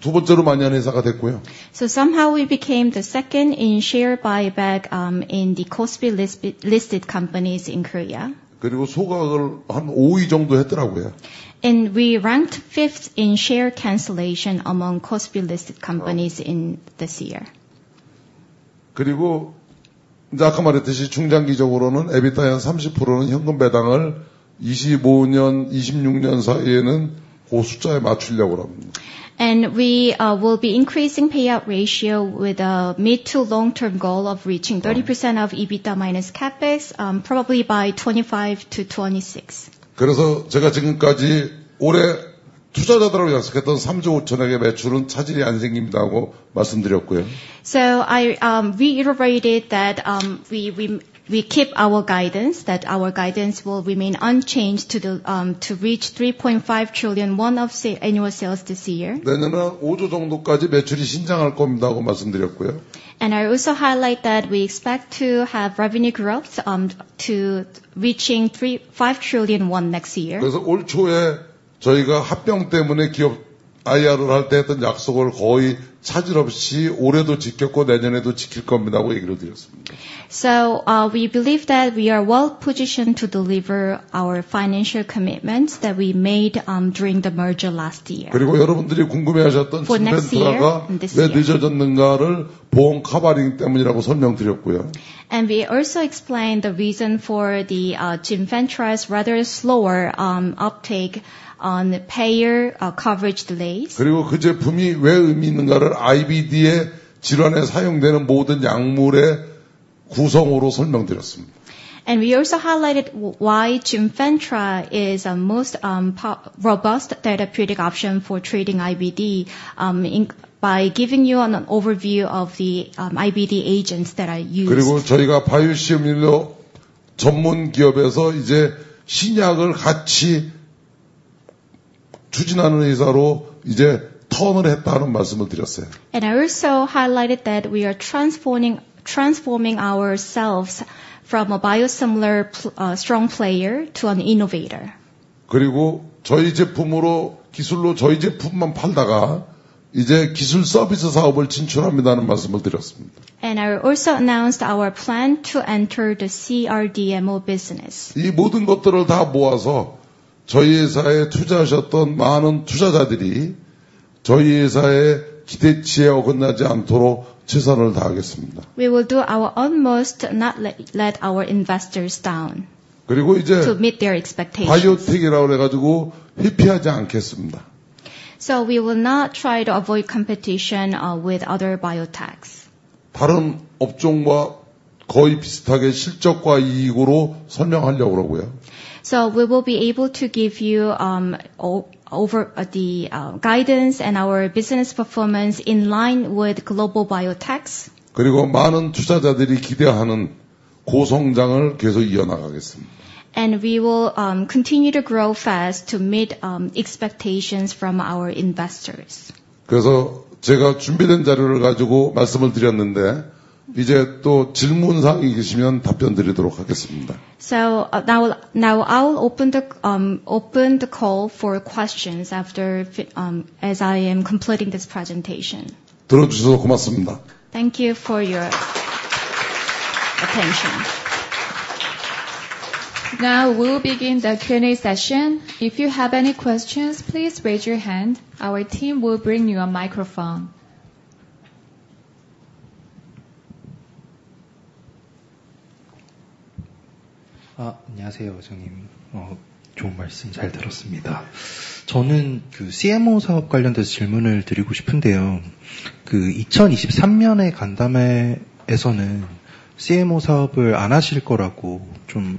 두 번째로 많이 하는 회사가 됐고요. Somehow we became the second in share buyback in the KOSPI listed companies in Korea. 그리고 소각을 한 5위 정도 했더라고요. We ranked fifth in share cancellation among COSB listed companies this year. 그리고 이제 아까 말했듯이 중장기적으로는 EBITDA의 한 30%는 현금 배당을 2025년, 2026년 사이에는 그 숫자에 맞추려고 합니다. We will be increasing payout ratio with a mid to long-term goal of reaching 30% of EBITDA minus CAPEX probably by 2025 to 2026. 그래서 제가 지금까지 올해 투자자들하고 약속했던 3조 5천억의 매출은 차질이 안 생긴다고 말씀드렸고요. I reiterated that we keep our guidance, that our guidance will remain unchanged to reach ₩3.5 trillion of annual sales this year. 내년에 5조 정도까지 매출이 신장할 겁니다고 말씀드렸고요. I also highlight that we expect to have revenue growth to reach ₩5 trillion next year. 그래서 올 초에 저희가 합병 때문에 기업 IR을 할때 했던 약속을 거의 차질 없이 올해도 지켰고, 내년에도 지킬 겁니다고 얘기를 드렸습니다. We believe that we are well positioned to deliver our financial commitments that we made during the merger last year. 그리고 여러분들이 궁금해하셨던 스펜스라가 왜 늦어졌는가를 보험 커버링 때문이라고 설명드렸고요. We also explained the reason for the Ginventris rather slower uptake on payer coverage delays. 그리고 그 제품이 왜 의미 있는가를 IBD의 질환에 사용되는 모든 약물의 구성으로 설명드렸습니다. We also highlighted why Ginventra is the most robust therapeutic option for treating IBD by giving you an overview of the IBD agents that are used. 그리고 저희가 바이오시험일로 전문 기업에서 이제 신약을 같이 추진하는 의사로 이제 턴을 했다는 말씀을 드렸어요. I also highlighted that we are transforming ourselves from a biosimilar strong player to an innovator. 그리고 저희 제품으로 기술로 저희 제품만 팔다가 이제 기술 서비스 사업을 진출합니다는 말씀을 드렸습니다. I also announced our plan to enter the CRDMO business. 이 모든 것들을 다 모아서 저희 회사에 투자하셨던 많은 투자자들이 저희 회사의 기대치에 어긋나지 않도록 최선을 다하겠습니다. We will do our utmost to not let our investors down. 그리고 이제. To meet their expectations. 바이오텍이라고 해서 회피하지 않겠습니다. We will not try to avoid competition with other biotechs. 다른 업종과 거의 비슷하게 실적과 이익으로 설명하려고 하고요. We will be able to give you the guidance and our business performance in line with global biotechs. 그리고 많은 투자자들이 기대하는 고성장을 계속 이어나가겠습니다. We will continue to grow fast to meet expectations from our investors. 그래서 제가 준비된 자료를 가지고 말씀을 드렸는데 이제 또 질문 사항이 있으시면 답변드리도록 하겠습니다. Now I'll open the call for questions as I am completing this presentation. 들어주셔서 고맙습니다. Thank you for your attention. Now we'll begin the Q&A session. If you have any questions, please raise your hand. Our team will bring you a microphone. 안녕하세요, 회장님. 좋은 말씀 잘 들었습니다. 저는 CMO 사업 관련해서 질문을 드리고 싶은데요. 2023년에 간담회에서는 CMO 사업을 안 하실 거라고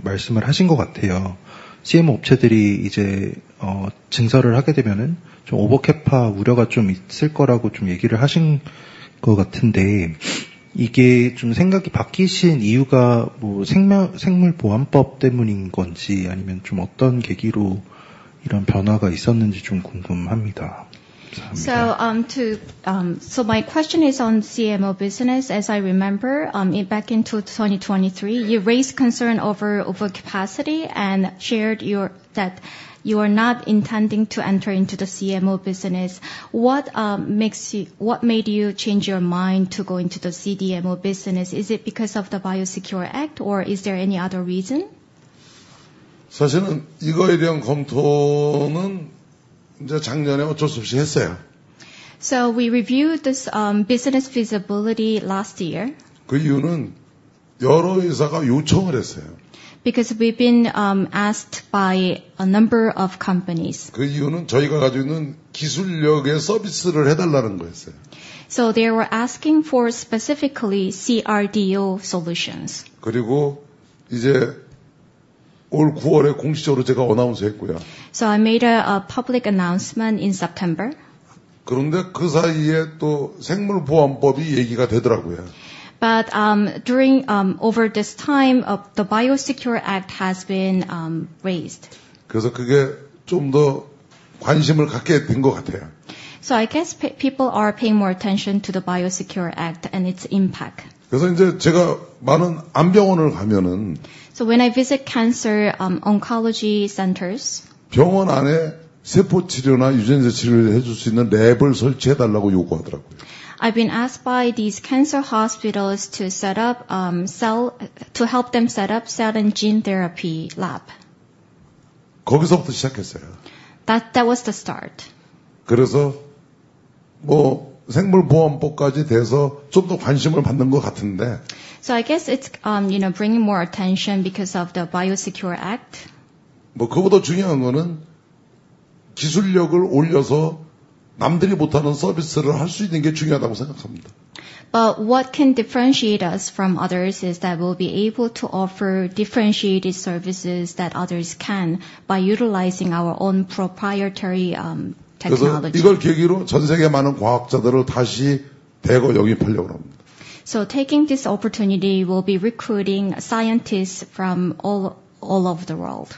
말씀을 하신 것 같아요. CMO 업체들이 이제 증설을 하게 되면 오버캡 우려가 있을 거라고 얘기를 하신 것 같은데, 이게 생각이 바뀌신 이유가 생물보안법 때문인 건지 아니면 어떤 계기로 이런 변화가 있었는지 궁금합니다. My question is on CMO business. As I remember, back in 2023, you raised concern over overcapacity and shared that you are not intending to enter into the CMO business. What made you change your mind to go into the CDMO business? Is it because of the Biosecure Act, or is there any other reason? 사실은 이거에 대한 검토는 이제 작년에 어쩔 수 없이 했어요. We reviewed this business feasibility last year. 그 이유는 여러 회사가 요청을 했어요. Because we've been asked by a number of companies. 그 이유는 저희가 가지고 있는 기술력의 서비스를 해달라는 거였어요. They were asking for specifically CRDO solutions. 그리고 이제 올 9월에 공식적으로 제가 발표했고요. I made a public announcement in September. 그런데 그 사이에 또 생물보안법이 얘기가 되더라고요. But during this time, the Biosecure Act has been raised. 그래서 그게 좀더 관심을 갖게 된것 같아요. I guess people are paying more attention to the Biosecure Act and its impact. 그래서 이제 제가 많은 암 병원을 가면. When I visit cancer oncology centers. 병원 안에 세포 치료나 유전자 치료를 해줄 수 있는 랩을 설치해달라고 요구하더라고요. I've been asked by these cancer hospitals to set up cell therapy labs to help them set up cell and gene therapy labs. 거기서부터 시작했어요. That was the start. 그래서 뭐 생물보안법까지 돼서 좀더 관심을 받는 것 같은데. I guess it's bringing more attention because of the Biosecure Act. 그보다 중요한 것은 기술력을 올려서 남들이 못하는 서비스를 할수 있는 게 중요하다고 생각합니다. But what can differentiate us from others is that we'll be able to offer differentiated services that others can't by utilizing our own proprietary technology. 그래서 이걸 계기로 전 세계 많은 과학자들을 다시 대거 영입하려고 합니다. Taking this opportunity, we'll be recruiting scientists from all over the world.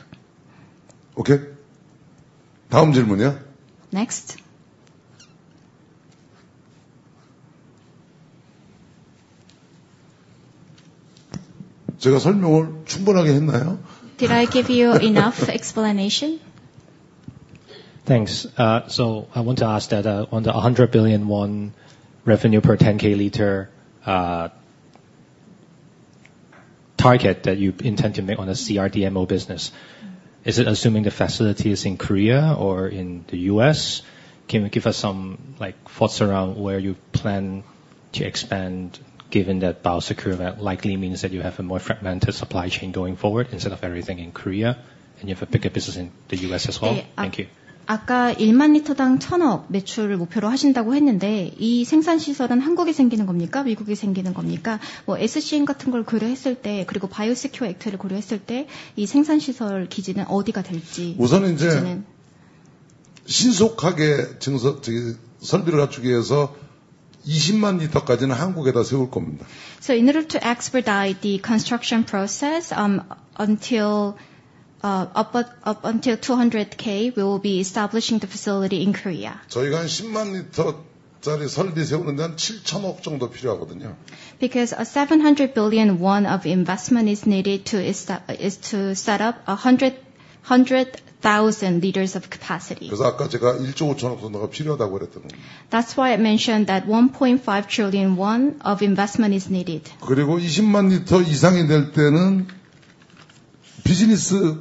오케이. 다음 질문이요. Next. 제가 설명을 충분하게 했나요? Did I give you enough explanation? Thanks. I want to ask that on the ₩100 billion revenue per 10K liter target that you intend to make on a CRDMO business, is it assuming the facility is in Korea or in the US? Can you give us some thoughts around where you plan to expand given that biosecure likely means that you have a more fragmented supply chain going forward instead of everything in Korea and you have a bigger business in the US as well? Thank you. 아까 1만 리터당 1,000억 매출을 목표로 하신다고 했는데 이 생산 시설은 한국에 생기는 겁니까? 미국에 생기는 겁니까? SCM 같은 걸 고려했을 때 그리고 바이오시큐어 액트를 고려했을 때이 생산 시설 기지는 어디가 될지. 우선은 이제 신속하게 설비를 갖추기 위해서 20만 리터까지는 한국에다 세울 겁니다. In order to expedite the construction process until 200K, we will be establishing the facility in Korea. 저희가 한 10만 리터짜리 설비 세우는데 한 7,000억 정도 필요하거든요. Because ₩700 billion of investment is needed to set up 100,000 liters of capacity. 그래서 아까 제가 1조 5천억 정도가 필요하다고 그랬던 겁니다. That's why I mentioned that ₩1.5 trillion of investment is needed. 그리고 20만 리터 이상이 될 때는 비즈니스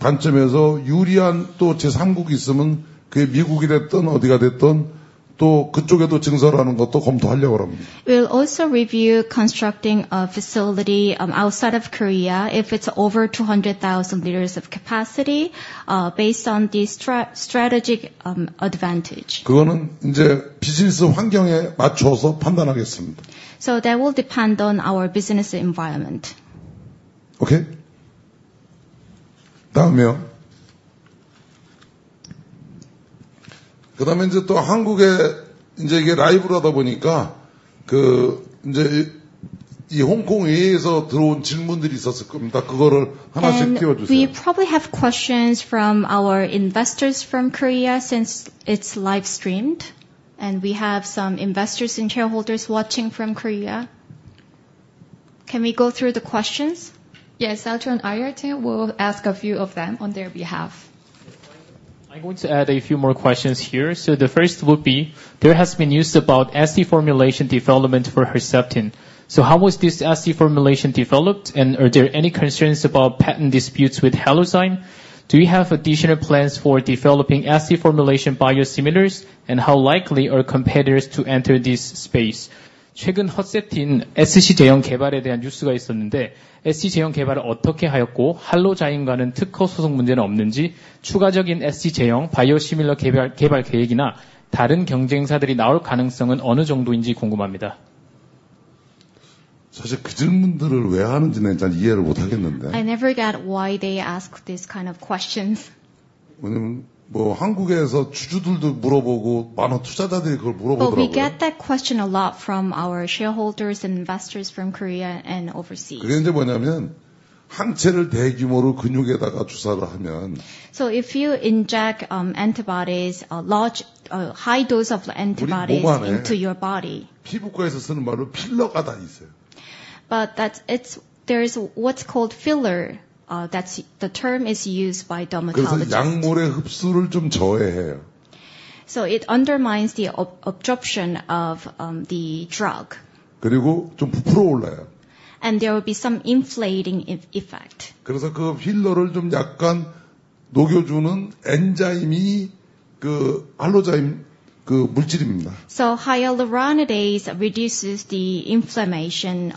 관점에서 유리한 또 제3국이 있으면 그게 미국이 됐든 어디가 됐든 또 그쪽에도 증설하는 것도 검토하려고 합니다. We'll also review constructing a facility outside of Korea if it's over 200,000 liters of capacity based on the strategic advantage. 그거는 이제 비즈니스 환경에 맞춰서 판단하겠습니다. That will depend on our business environment. 오케이. 다음이요. 그다음에 이제 또 한국에 이제 이게 라이브로 하다 보니까 그 이제 이 홍콩 외에서 들어온 질문들이 있었을 겁니다. 그거를 하나씩 띄워주세요. We probably have questions from our investors from Korea since it's live streamed and we have some investors and shareholders watching from Korea. Can we go through the questions? Yes, Altron IR team will ask a few of them on their behalf. I'm going to add a few more questions here. The first would be there has been news about SC formulation development for Herceptin. How was this SC formulation developed and are there any concerns about patent disputes with Halozyme? Do you have additional plans for developing SC formulation biosimilars and how likely are competitors to enter this space? 최근 허셉틴 SC 제형 개발에 대한 뉴스가 있었는데, SC 제형 개발을 어떻게 하였고 할로자임과는 특허 소송 문제는 없는지, 추가적인 SC 제형 바이오시밀러 개발 계획이나 다른 경쟁사들이 나올 가능성은 어느 정도인지 궁금합니다. 사실 그 질문들을 왜 하는지는 일단 이해를 못하겠는데. I never get why they ask this kind of question. 왜냐하면 뭐 한국에서 주주들도 물어보고 많은 투자자들이 그걸 물어보더라고요. But we get that question a lot from our shareholders and investors from Korea and overseas. 그게 이제 뭐냐면 항체를 대규모로 근육에다가 주사를 하면. If you inject antibodies, large high dose of antibodies into your body. 피부과에서 쓰는 말로 필러가 다 있어요. But there is what's called filler. That's the term used by dermatologists. 그게 약물의 흡수를 좀 저해해요. It undermines the absorption of the drug. 그리고 좀 부풀어 올라요. There will be some inflating effect. 그래서 그 필러를 좀 약간 녹여주는 엔자임이 그 히알루로니다제 그 물질입니다. Hyaluronidase reduces the inflammation.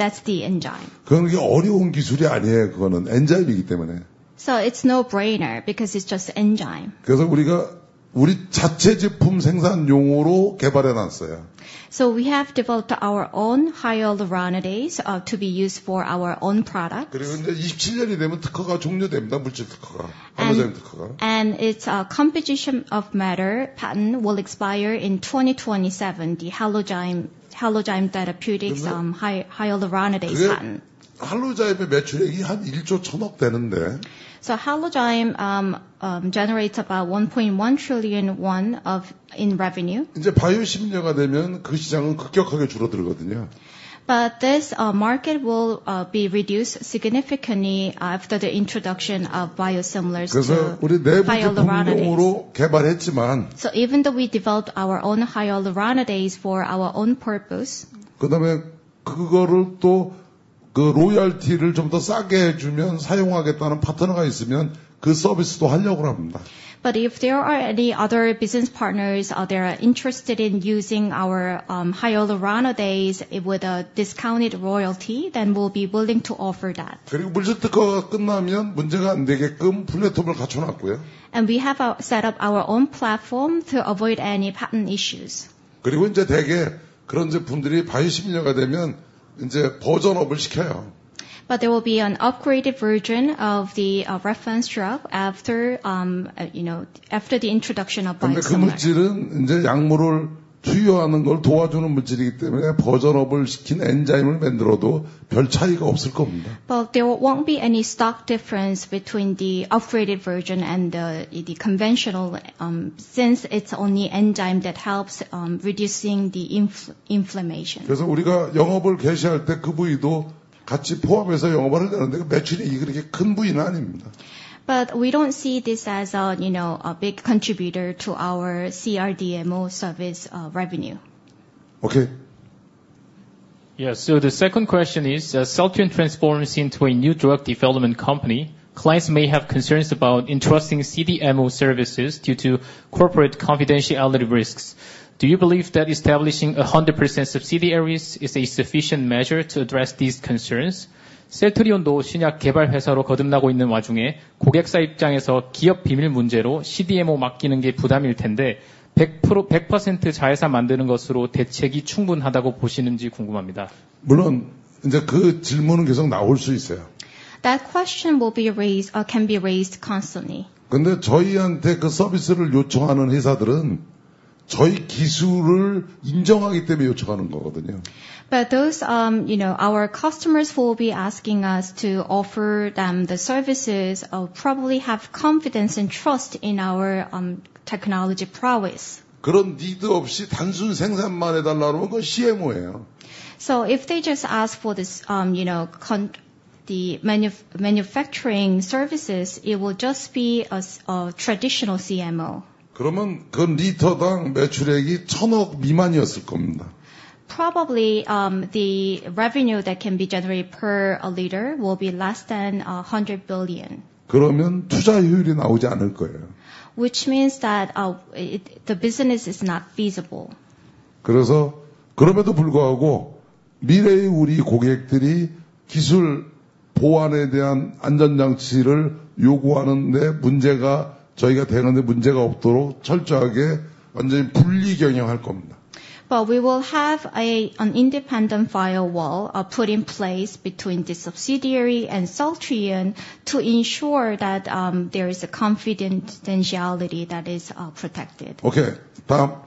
That's the enzyme. 그건 그게 어려운 기술이 아니에요. 그거는 엔자임이기 때문에. It's no brainer because it's just enzyme. 그래서 우리가 우리 자체 제품 생산용으로 개발해놨어요. We have developed our own hyaluronidase to be used for our own products. 그리고 이제 27년이 되면 특허가 종료됩니다. 물질 특허가 할로자인 특허가. And its composition of matter patent will expire in 2027. The Halozyme Therapeutics hyaluronidase patent. 할로자인의 매출액이 한 ₩1조 1,000억 되는데. Halozyme generates about ₩1.1 trillion of revenue. 이제 바이오시밀러가 되면 그 시장은 급격하게 줄어들거든요. But this market will be reduced significantly after the introduction of biosimilars here. 그래서 우리 내부 제품으로 개발했지만. Even though we developed our own hyaluronidase for our own purpose. 그다음에 그거를 또그 로열티를 좀더 싸게 해주면 사용하겠다는 파트너가 있으면 그 서비스도 하려고 합니다. But if there are any other business partners that are interested in using our hyaluronidase with a discounted royalty, then we'll be willing to offer that. 그리고 물질 특허가 끝나면 문제가 안 되게끔 플랫폼을 갖춰놨고요. We have set up our own platform to avoid any patent issues. 그리고 이제 대개 그런 제품들이 바이오시밀러가 되면 이제 버전업을 시켜요. But there will be an upgraded version of the reference drug after the introduction of biosimilars. 근데 그 물질은 이제 약물을 투여하는 걸 도와주는 물질이기 때문에 버전업을 시킨 엔자임을 만들어도 별 차이가 없을 겁니다. But there won't be any stock difference between the upgraded version and the conventional since it's only enzyme that helps reduce the inflammation. 그래서 우리가 영업을 개시할 때그 부위도 같이 포함해서 영업을 하려는데 매출이 그렇게 큰 부위는 아닙니다. But we don't see this as a big contributor to our CRDMO service revenue. 오케이. Yeah, so the second question is Celltrion transforming into a new drug development company. Clients may have concerns about entrusting CDMO services due to corporate confidentiality risks. Do you believe that establishing 100% subsidiaries is a sufficient measure to address these concerns? 셀트리온도 신약 개발 회사로 거듭나고 있는 와중에 고객사 입장에서 기업 비밀 문제로 CDMO 맡기는 게 부담일 텐데 100% 자회사 만드는 것으로 대책이 충분하다고 보시는지 궁금합니다. 물론 이제 그 질문은 계속 나올 수 있어요. That question will be raised or can be raised constantly. 근데 저희한테 그 서비스를 요청하는 회사들은 저희 기술을 인정하기 때문에 요청하는 거거든요. But those, you know, our customers will be asking us to offer them the services or probably have confidence and trust in our technology prowess. 그런 니드 없이 단순 생산만 해달라 그러면 그건 CMO예요. If they just ask for this, you know, the manufacturing services, it will just be a traditional CMO. 그러면 그 리터당 매출액이 1,000억 미만이었을 겁니다. Probably the revenue that can be generated per liter will be less than $100 billion. 그러면 투자 효율이 나오지 않을 거예요. Which means that the business is not feasible. 그래서 그럼에도 불구하고 미래의 우리 고객들이 기술 보안에 대한 안전 장치를 요구하는 데 문제가 없도록 저희가 철저하게 완전히 분리 경영할 겁니다. But we will have an independent firewall put in place between the subsidiary and Celltrion to ensure that there is confidentiality that is protected. 오케이. 다음.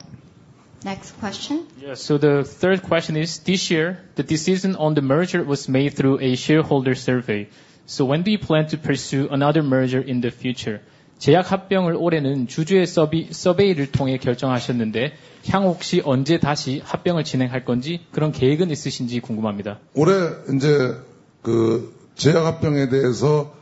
Next question. Yeah, so the third question is this year the decision on the merger was made through a shareholder survey. So when do you plan to pursue another merger in the future? 제약합병을 올해는 주주의 서베이를 통해 결정하셨는데 향후 혹시 언제 다시 합병을 진행할 건지 그런 계획은 있으신지 궁금합니다. 올해 이제 그 제약합병에 대해서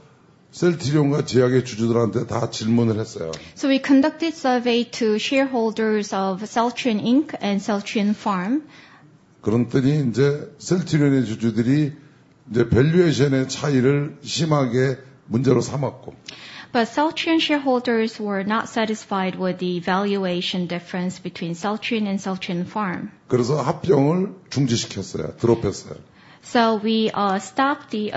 셀트리온과 제약의 주주들한테 다 질문을 했어요. We conducted surveys to shareholders of Celltrion Inc. and Celltrion Farm. 그랬더니 이제 셀트리온의 주주들이 이제 밸류에이션의 차이를 심하게 문제로 삼았고. But Celltrion shareholders were not satisfied with the valuation difference between Celltrion and Celltrion Farm. 그래서 합병을 중지시켰어요. 드롭했어요. We stopped the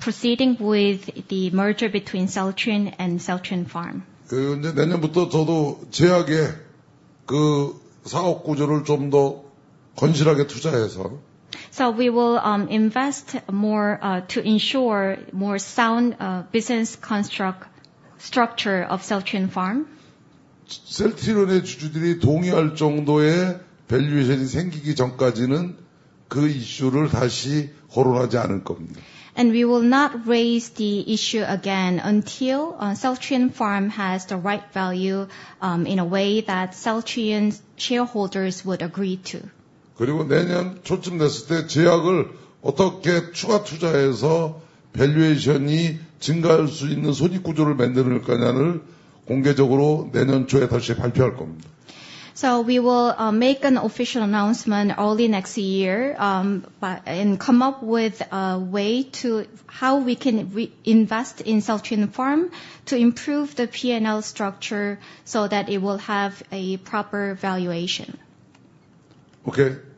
proceeding with the merger between Celltrion and Celltrion Farm. 그 이제 내년부터 저도 제약의 그 사업 구조를 좀더 건실하게 투자해서. We will invest more to ensure more sound business construct structure of Celltrion Farm. 셀트리온의 주주들이 동의할 정도의 밸류에이션이 생기기 전까지는 그 이슈를 다시 거론하지 않을 겁니다. We will not raise the issue again until Celltrion Farm has the right value in a way that Celltrion shareholders would agree to. 그리고 내년 초쯤 됐을 때 제약을 어떻게 추가 투자해서 밸류에이션이 증가할 수 있는 손익 구조를 만들 거냐를 공개적으로 내년 초에 다시 발표할 겁니다. We will make an official announcement early next year and come up with a way to how we can invest in Celltrion Farm to improve the P&L structure so that it will have a proper valuation. 오케이. So the next question is although the ADC business is still in its early stages, results are starting to emerge. After ADC, is there another area the chairman is personally interested in pursuing?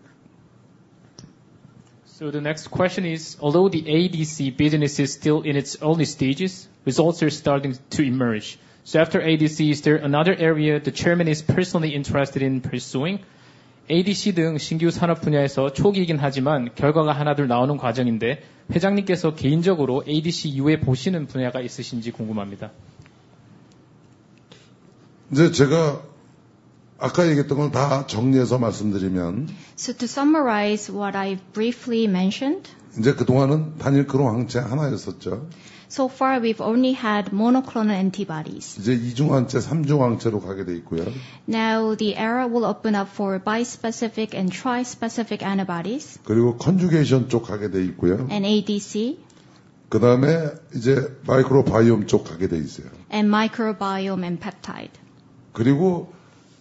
ADC 등 신규 산업 분야에서 초기이긴 하지만 결과가 하나둘 나오는 과정인데 회장님께서 개인적으로 ADC 이후에 보시는 분야가 있으신지 궁금합니다. 이제 제가 아까 얘기했던 걸다 정리해서 말씀드리면. To summarize what I briefly mentioned. 이제 그동안은 단일 클론 항체 하나였었죠. So far we've only had monoclonal antibodies. 이제 이중 항체, 삼중 항체로 가게 돼 있고요. Now the era will open up for bispecific and trispecific antibodies. 그리고 컨주게이션 쪽 가게 돼 있고요. And ADC. 그다음에 이제 마이크로바이옴 쪽으로 가게 돼 있어요. And microbiome and peptide. 그리고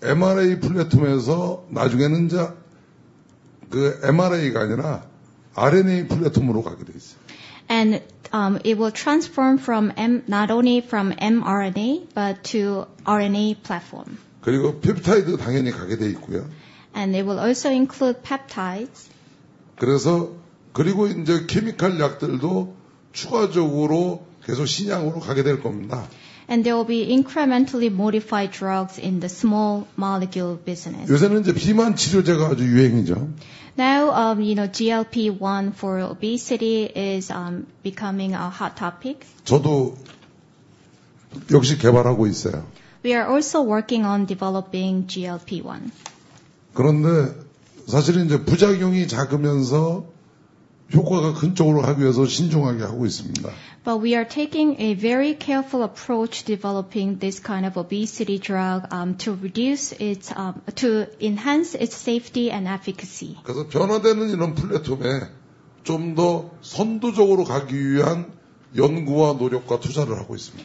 MRA 플랫폼에서 나중에는 이제 그 MRA가 아니라 RNA 플랫폼으로 가게 돼 있어요. It will transform not only from mRNA but to RNA platform. 그리고 펩타이드 당연히 가게 돼 있고요. And it will also include peptides. 그래서 그리고 이제 케미컬 약들도 추가적으로 계속 신약으로 가게 될 겁니다. There will be incrementally modified drugs in the small molecule business. 요새는 이제 비만 치료제가 아주 유행이죠. Now, you know, GLP-1 for obesity is becoming a hot topic. 저도 역시 개발하고 있어요. We are also working on developing GLP-1. 그런데 사실은 이제 부작용이 작으면서 효과가 큰 쪽으로 가기 위해서 신중하게 하고 있습니다. But we are taking a very careful approach developing this kind of obesity drug to reduce its side effects and to enhance its safety and efficacy. 그래서 변화되는 이런 플랫폼에 좀더 선도적으로 가기 위한 연구와 노력과 투자를 하고 있습니다.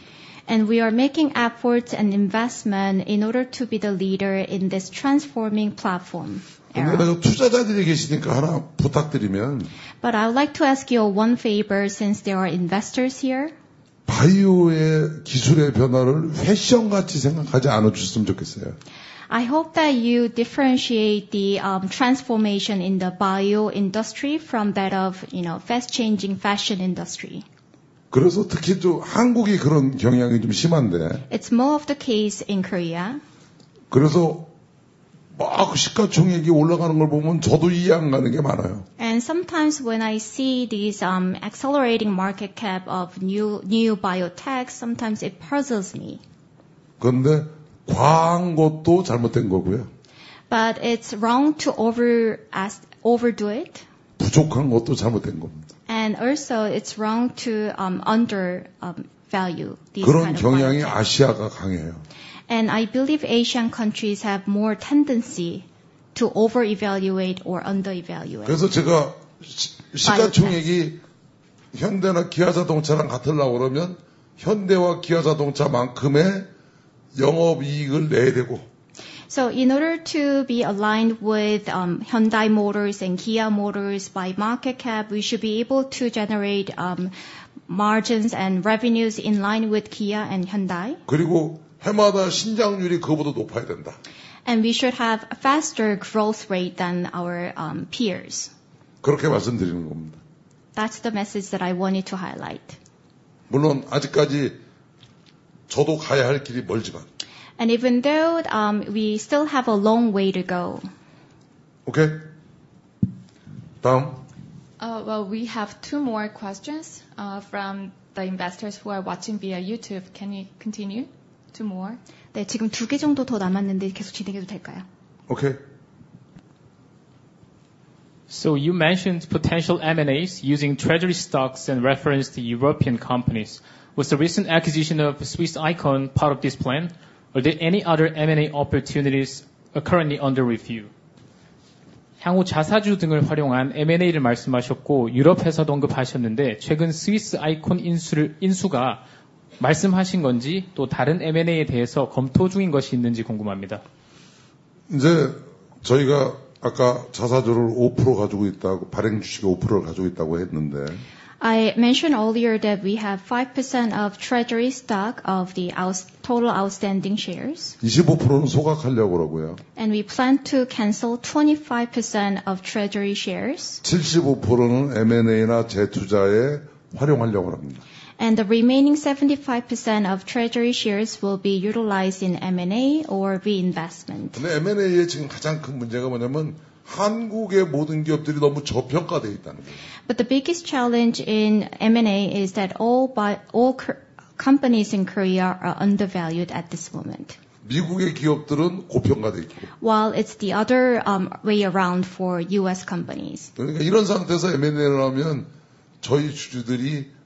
We are making efforts and investment in order to be the leader in this transforming platform. 여기 내가 투자자들이 계시니까 하나 부탁드리면. But I would like to ask you one favor since there are investors here. 바이오 기술의 변화를 패션같이 생각하지 않아 주셨으면 좋겠어요. I hope that you differentiate the transformation in the bio industry from that of the fast changing fashion industry. 그래서 특히 또 한국이 그런 경향이 좀 심한데. It's more of the case in Korea. 그래서 막 시가총액이 올라가는 걸 보면 저도 이해 안 가는 게 많아요. Sometimes when I see these accelerating market caps of new biotechs, it puzzles me. 그런데 과한 것도 잘못된 거고요. But it's wrong to overdo it. 부족한 것도 잘못된 겁니다. And also it's wrong to undervalue. 그런 경향이 아시아가 강해요. I believe Asian countries have more tendency to overvalue or undervalue. 그래서 제가 시가총액이 현대나 기아자동차랑 같으려고 그러면 현대와 기아자동차만큼의 영업이익을 내야 되고. In order to be aligned with Hyundai Motors and Kia Motors by market cap, we should be able to generate margins and revenues in line with Kia and Hyundai. 그리고 해마다 신장률이 그것보다 높아야 된다. We should have a faster growth rate than our peers. 그렇게 말씀드리는 겁니다. That's the message that I wanted to highlight. 물론 아직까지 저도 가야 할 길이 멀지만. Even though we still have a long way to go. 오케이. 다음. Well, we have two more questions from the investors who are watching via YouTube. Can you continue? Two more. 네, 지금 두개 정도 더 남았는데 계속 진행해도 될까요? Okay. So you mentioned potential M&As using treasury stocks and reference to European companies. Was the recent acquisition of Swiss iQone part of this plan? Are there any other M&A opportunities currently under review? 향후 자사주 등을 활용한 M&A를 말씀하셨고 유럽 회사도 언급하셨는데, 최근 스위스 아이큐원 인수가 말씀하신 건지 또 다른 M&A에 대해서 검토 중인 것이 있는지 궁금합니다. 이제 저희가 아까 자사주를 5% 가지고 있다고 발행 주식이 5%를 가지고 있다고 했는데. I mentioned earlier that we have 5% of treasury stock of the total outstanding shares. 25%는 소각하려고 그러고요. We plan to cancel 25% of treasury shares. 75%는 M&A나 재투자에 활용하려고 합니다. The remaining 75% of treasury shares will be utilized in M&A or reinvestment. 근데 M&A의 지금 가장 큰 문제가 뭐냐면 한국의 모든 기업들이 너무 저평가되어 있다는 거죠. But the biggest challenge in M&A is that all companies in Korea are undervalued at this moment. 미국의 기업들은 고평가되어 있고. While it's the other way around for US companies. 그러니까 이런 상태에서 M&A를 하면 저희 주주들이 손해가 크죠. But it will undermine the interest of our shareholders if we conduct M&A in this position.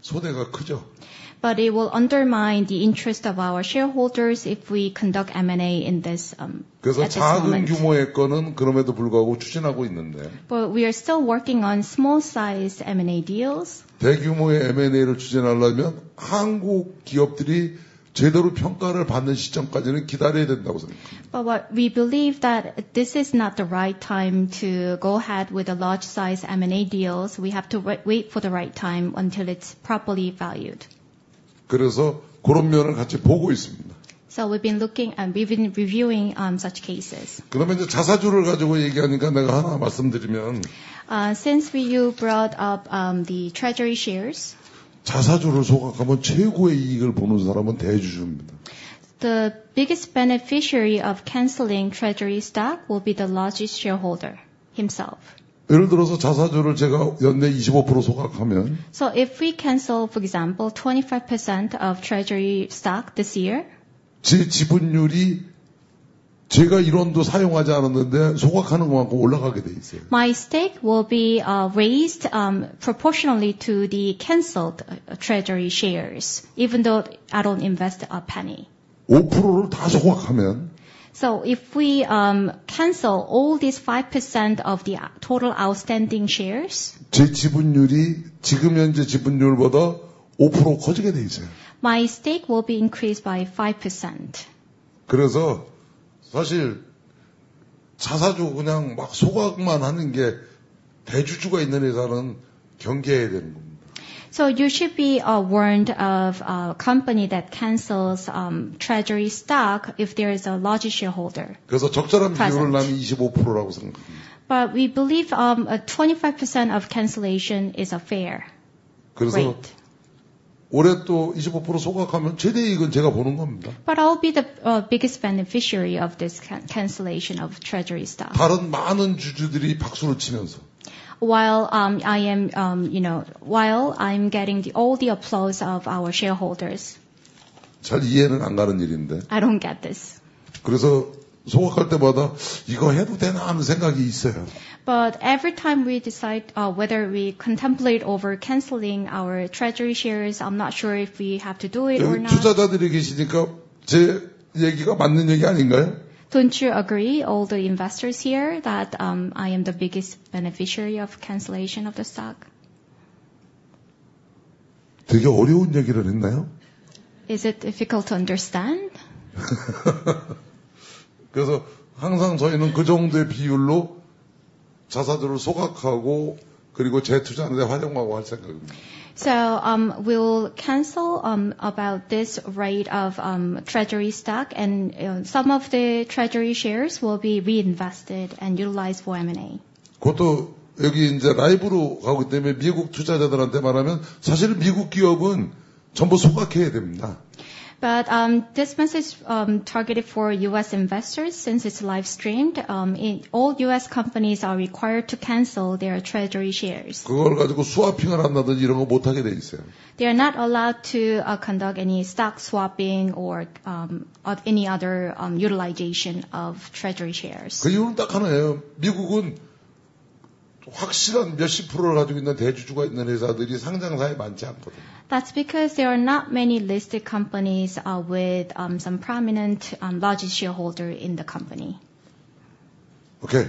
그래서 작은 규모의 것은 그럼에도 불구하고 추진하고 있는데. But we are still working on small-sized M&A deals. 대규모의 M&A를 추진하려면 한국 기업들이 제대로 평가를 받는 시점까지는 기다려야 된다고 생각합니다. But we believe that this is not the right time to go ahead with large-sized M&A deals. We have to wait for the right time until it's properly valued. 그래서 그런 면을 같이 보고 있습니다. We've been looking and we've been reviewing such cases. 그러면 이제 자사주를 가지고 얘기하니까 내가 하나 말씀드리면. Since you brought up the treasury shares. 자사주를 소각하면 최고의 이익을 보는 사람은 대주주입니다. The biggest beneficiary of canceling treasury stock will be the largest shareholder himself. 예를 들어서 자사주를 제가 연내 25% 소각하면. If we cancel, for example, 25% of treasury stock this year. 지분율이 제가 1원도 사용하지 않았는데 소각하는 것만큼 올라가게 돼 있어요. My stake will be raised proportionally to the canceled treasury shares even though I don't invest a penny. 5%를 다 소각하면. If we cancel all these 5% of the total outstanding shares. 제 지분율이 지금 현재 지분율보다 5% 커지게 되어 있어요. My stake will be increased by 5%. 그래서 사실 자사주 그냥 막 소각만 하는 게 대주주가 있는 회사는 경계해야 되는 겁니다. You should be warned of a company that cancels treasury stock if there is a large shareholder. 그래서 적절한 비율을 나는 25%라고 생각합니다. But we believe 25% of cancellation is a fair rate. 그래서 올해 또 25% 소각하면 최대 이익은 제가 보는 겁니다. But I'll be the biggest beneficiary of this cancellation of treasury stock. 다른 많은 주주들이 박수를 치면서. While I am, you know, while I'm getting all the applause of our shareholders. 잘 이해는 안 가는 일인데. I don't get this. 그래서 소각할 때마다 이거 해도 되나 하는 생각이 있어요. Every time we decide whether we contemplate over canceling our treasury shares, I'm not sure if we have to do it or not. 지금 투자자들이 계시니까 제 얘기가 맞는 얘기 아닌가요? Don't you agree all the investors here that I am the biggest beneficiary of cancellation of the stock? 되게 어려운 얘기를 했나요? Is it difficult to understand? 그래서 항상 저희는 그 정도의 비율로 자사주를 소각하고 그리고 재투자하는 데 활용할 생각입니다. We'll cancel about this rate of treasury stock and some of the treasury shares will be reinvested and utilized for M&A. 그것도 여기 이제 라이브로 가기 때문에 미국 투자자들한테 말하면 사실 미국 기업은 전부 소각해야 됩니다. But this message targeted for U.S. investors since it's live streamed. All U.S. companies are required to cancel their treasury shares. 그걸 가지고 스와핑을 한다든지 이런 거못 하게 돼 있어요. They are not allowed to conduct any stock swapping or any other utilization of treasury shares. 그 이유는 딱 하나예요. 미국은 확실한 몇십%를 가지고 있는 대주주가 있는 회사들이 상장사에 많지 않거든요. That's because there are not many listed companies with some prominent large shareholders in the company. 오케이.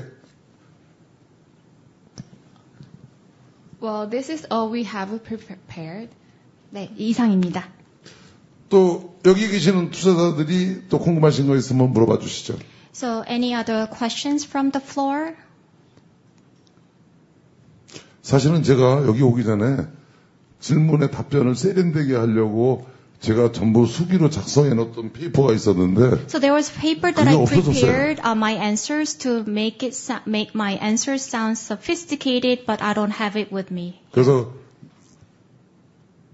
Well, this is all we have prepared. 네, 이상입니다. 또 여기 계시는 투자자들이 또 궁금하신 거 있으면 물어봐 주시죠. Any other questions from the floor? 사실은 제가 여기 오기 전에 질문에 답변을 세련되게 하려고 제가 전부 수기로 작성해 놓았던 페이퍼가 있었는데. There was a paper that I prepared. My answers to make my answers sound sophisticated, but I don't have it with me.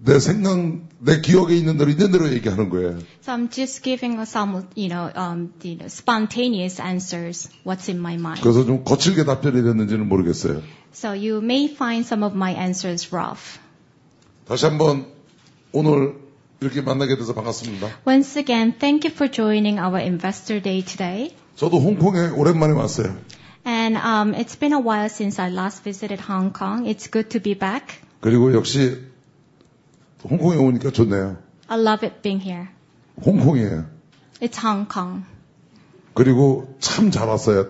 그래서 내 생각, 내 기억에 있는 대로 얘기하는 거예요. I'm just giving some spontaneous answers what's in my mind. 그래서 좀 거칠게 답변이 됐는지는 모르겠어요. You may find some of my answers rough. 다시 한번 오늘 이렇게 만나게 돼서 반갑습니다. Once again, thank you for joining our investor day today. 저도 홍콩에 오랜만에 왔어요. It's been a while since I last visited Hong Kong. It's good to be back. 그리고 역시 홍콩에 오니까 좋네요. I love being here. 홍콩이에요. It's Hong Kong. 그리고 참잘 왔어요.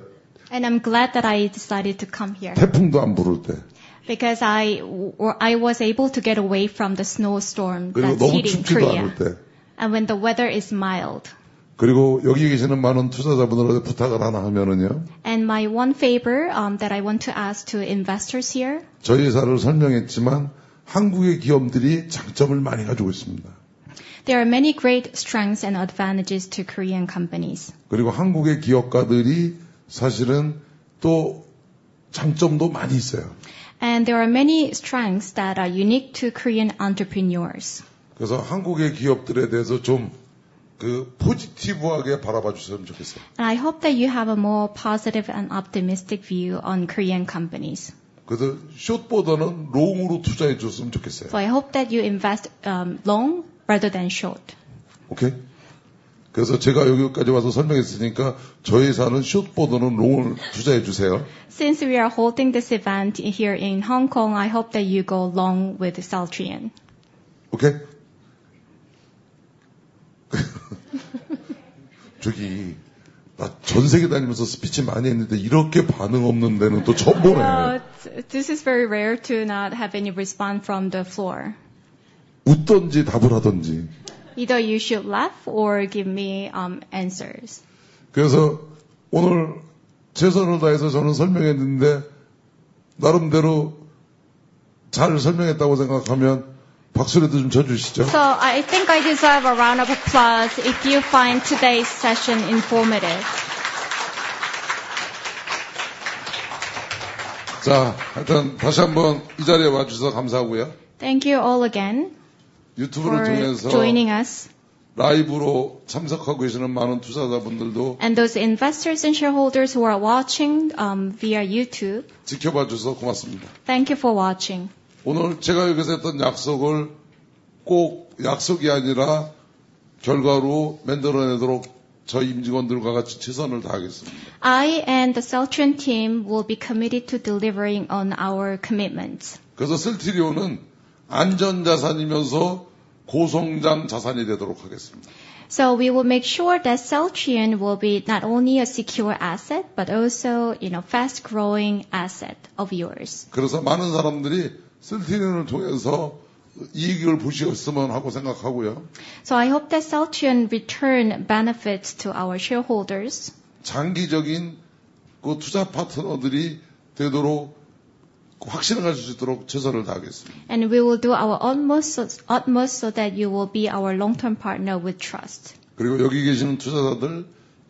I'm glad that I decided to come here. 태풍도 안불 때. Because I was able to get away from the snowstorm. 그리고 너무 춥지도 않을 때. And when the weather is mild. 그리고 여기 계시는 많은 투자자분들한테 부탁을 하나 하면요. And my one favor that I want to ask to investors here. 저희 회사를 설명했지만 한국의 기업들이 장점을 많이 가지고 있습니다. There are many great strengths and advantages to Korean companies. 그리고 한국의 기업가들이 사실은 또 장점도 많이 있어요. There are many strengths that are unique to Korean entrepreneurs. 그래서 한국의 기업들에 대해서 좀그 포지티브하게 바라봐 주셨으면 좋겠어요. I hope that you have a more positive and optimistic view on Korean companies. 그래서 숏보다는 롱으로 투자해 주셨으면 좋겠어요. I hope that you invest long rather than short. 오케이. 그래서 제가 여기까지 와서 설명했으니까 저희 회사는 숏보다는 롱을 투자해 주세요. Since we are holding this event here in Hong Kong, I hope that you go long with Celltrion. 오케이. 저기 나전 세계 다니면서 스피치 많이 했는데 이렇게 반응 없는 데는 또 처음 보네요. This is very rare to not have any response from the floor. 웃던지 답을 하던지. Either you should laugh or give me answers. 그래서 오늘 최선을 다해서 저는 설명했는데 나름대로 잘 설명했다고 생각하면 박수라도 좀 쳐주시죠. I think I deserve a round of applause if you find today's session informative. 자, 하여튼 다시 한번 이 자리에 와 주셔서 감사하고요. Thank you all again. 유튜브를 통해서. Joining us. 라이브로 참석하고 계시는 많은 투자자분들도. And those investors and shareholders who are watching via YouTube. 지켜봐 주셔서 고맙습니다. Thank you for watching. 오늘 제가 여기서 했던 약속을 꼭 약속이 아니라 결과로 만들어내도록 저희 임직원들과 같이 최선을 다하겠습니다. I and the Celltrion team will be committed to delivering on our commitments. 그래서 쓸티리온은 안전 자산이면서 고성장 자산이 되도록 하겠습니다. We will make sure that Celltrion will be not only a secure asset but also a fast-growing asset of yours. 그래서 많은 사람들이 쓸티리온을 통해서 이익을 보셨으면 하고 생각하고요. I hope that Celltrion returns benefits to our shareholders. 장기적인 투자 파트너들이 되도록 확신을 가질 수 있도록 최선을 다하겠습니다. We will do our utmost so that you will be our long-term partner with trust. 그리고 여기 계시는 투자자들,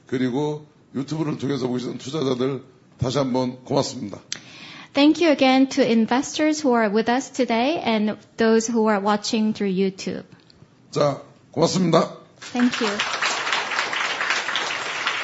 그리고 유튜브를 통해서 보시는 투자자들 다시 한번 고맙습니다. Thank you again to investors who are with us today and those who are watching through YouTube. 자, 고맙습니다. Thank you.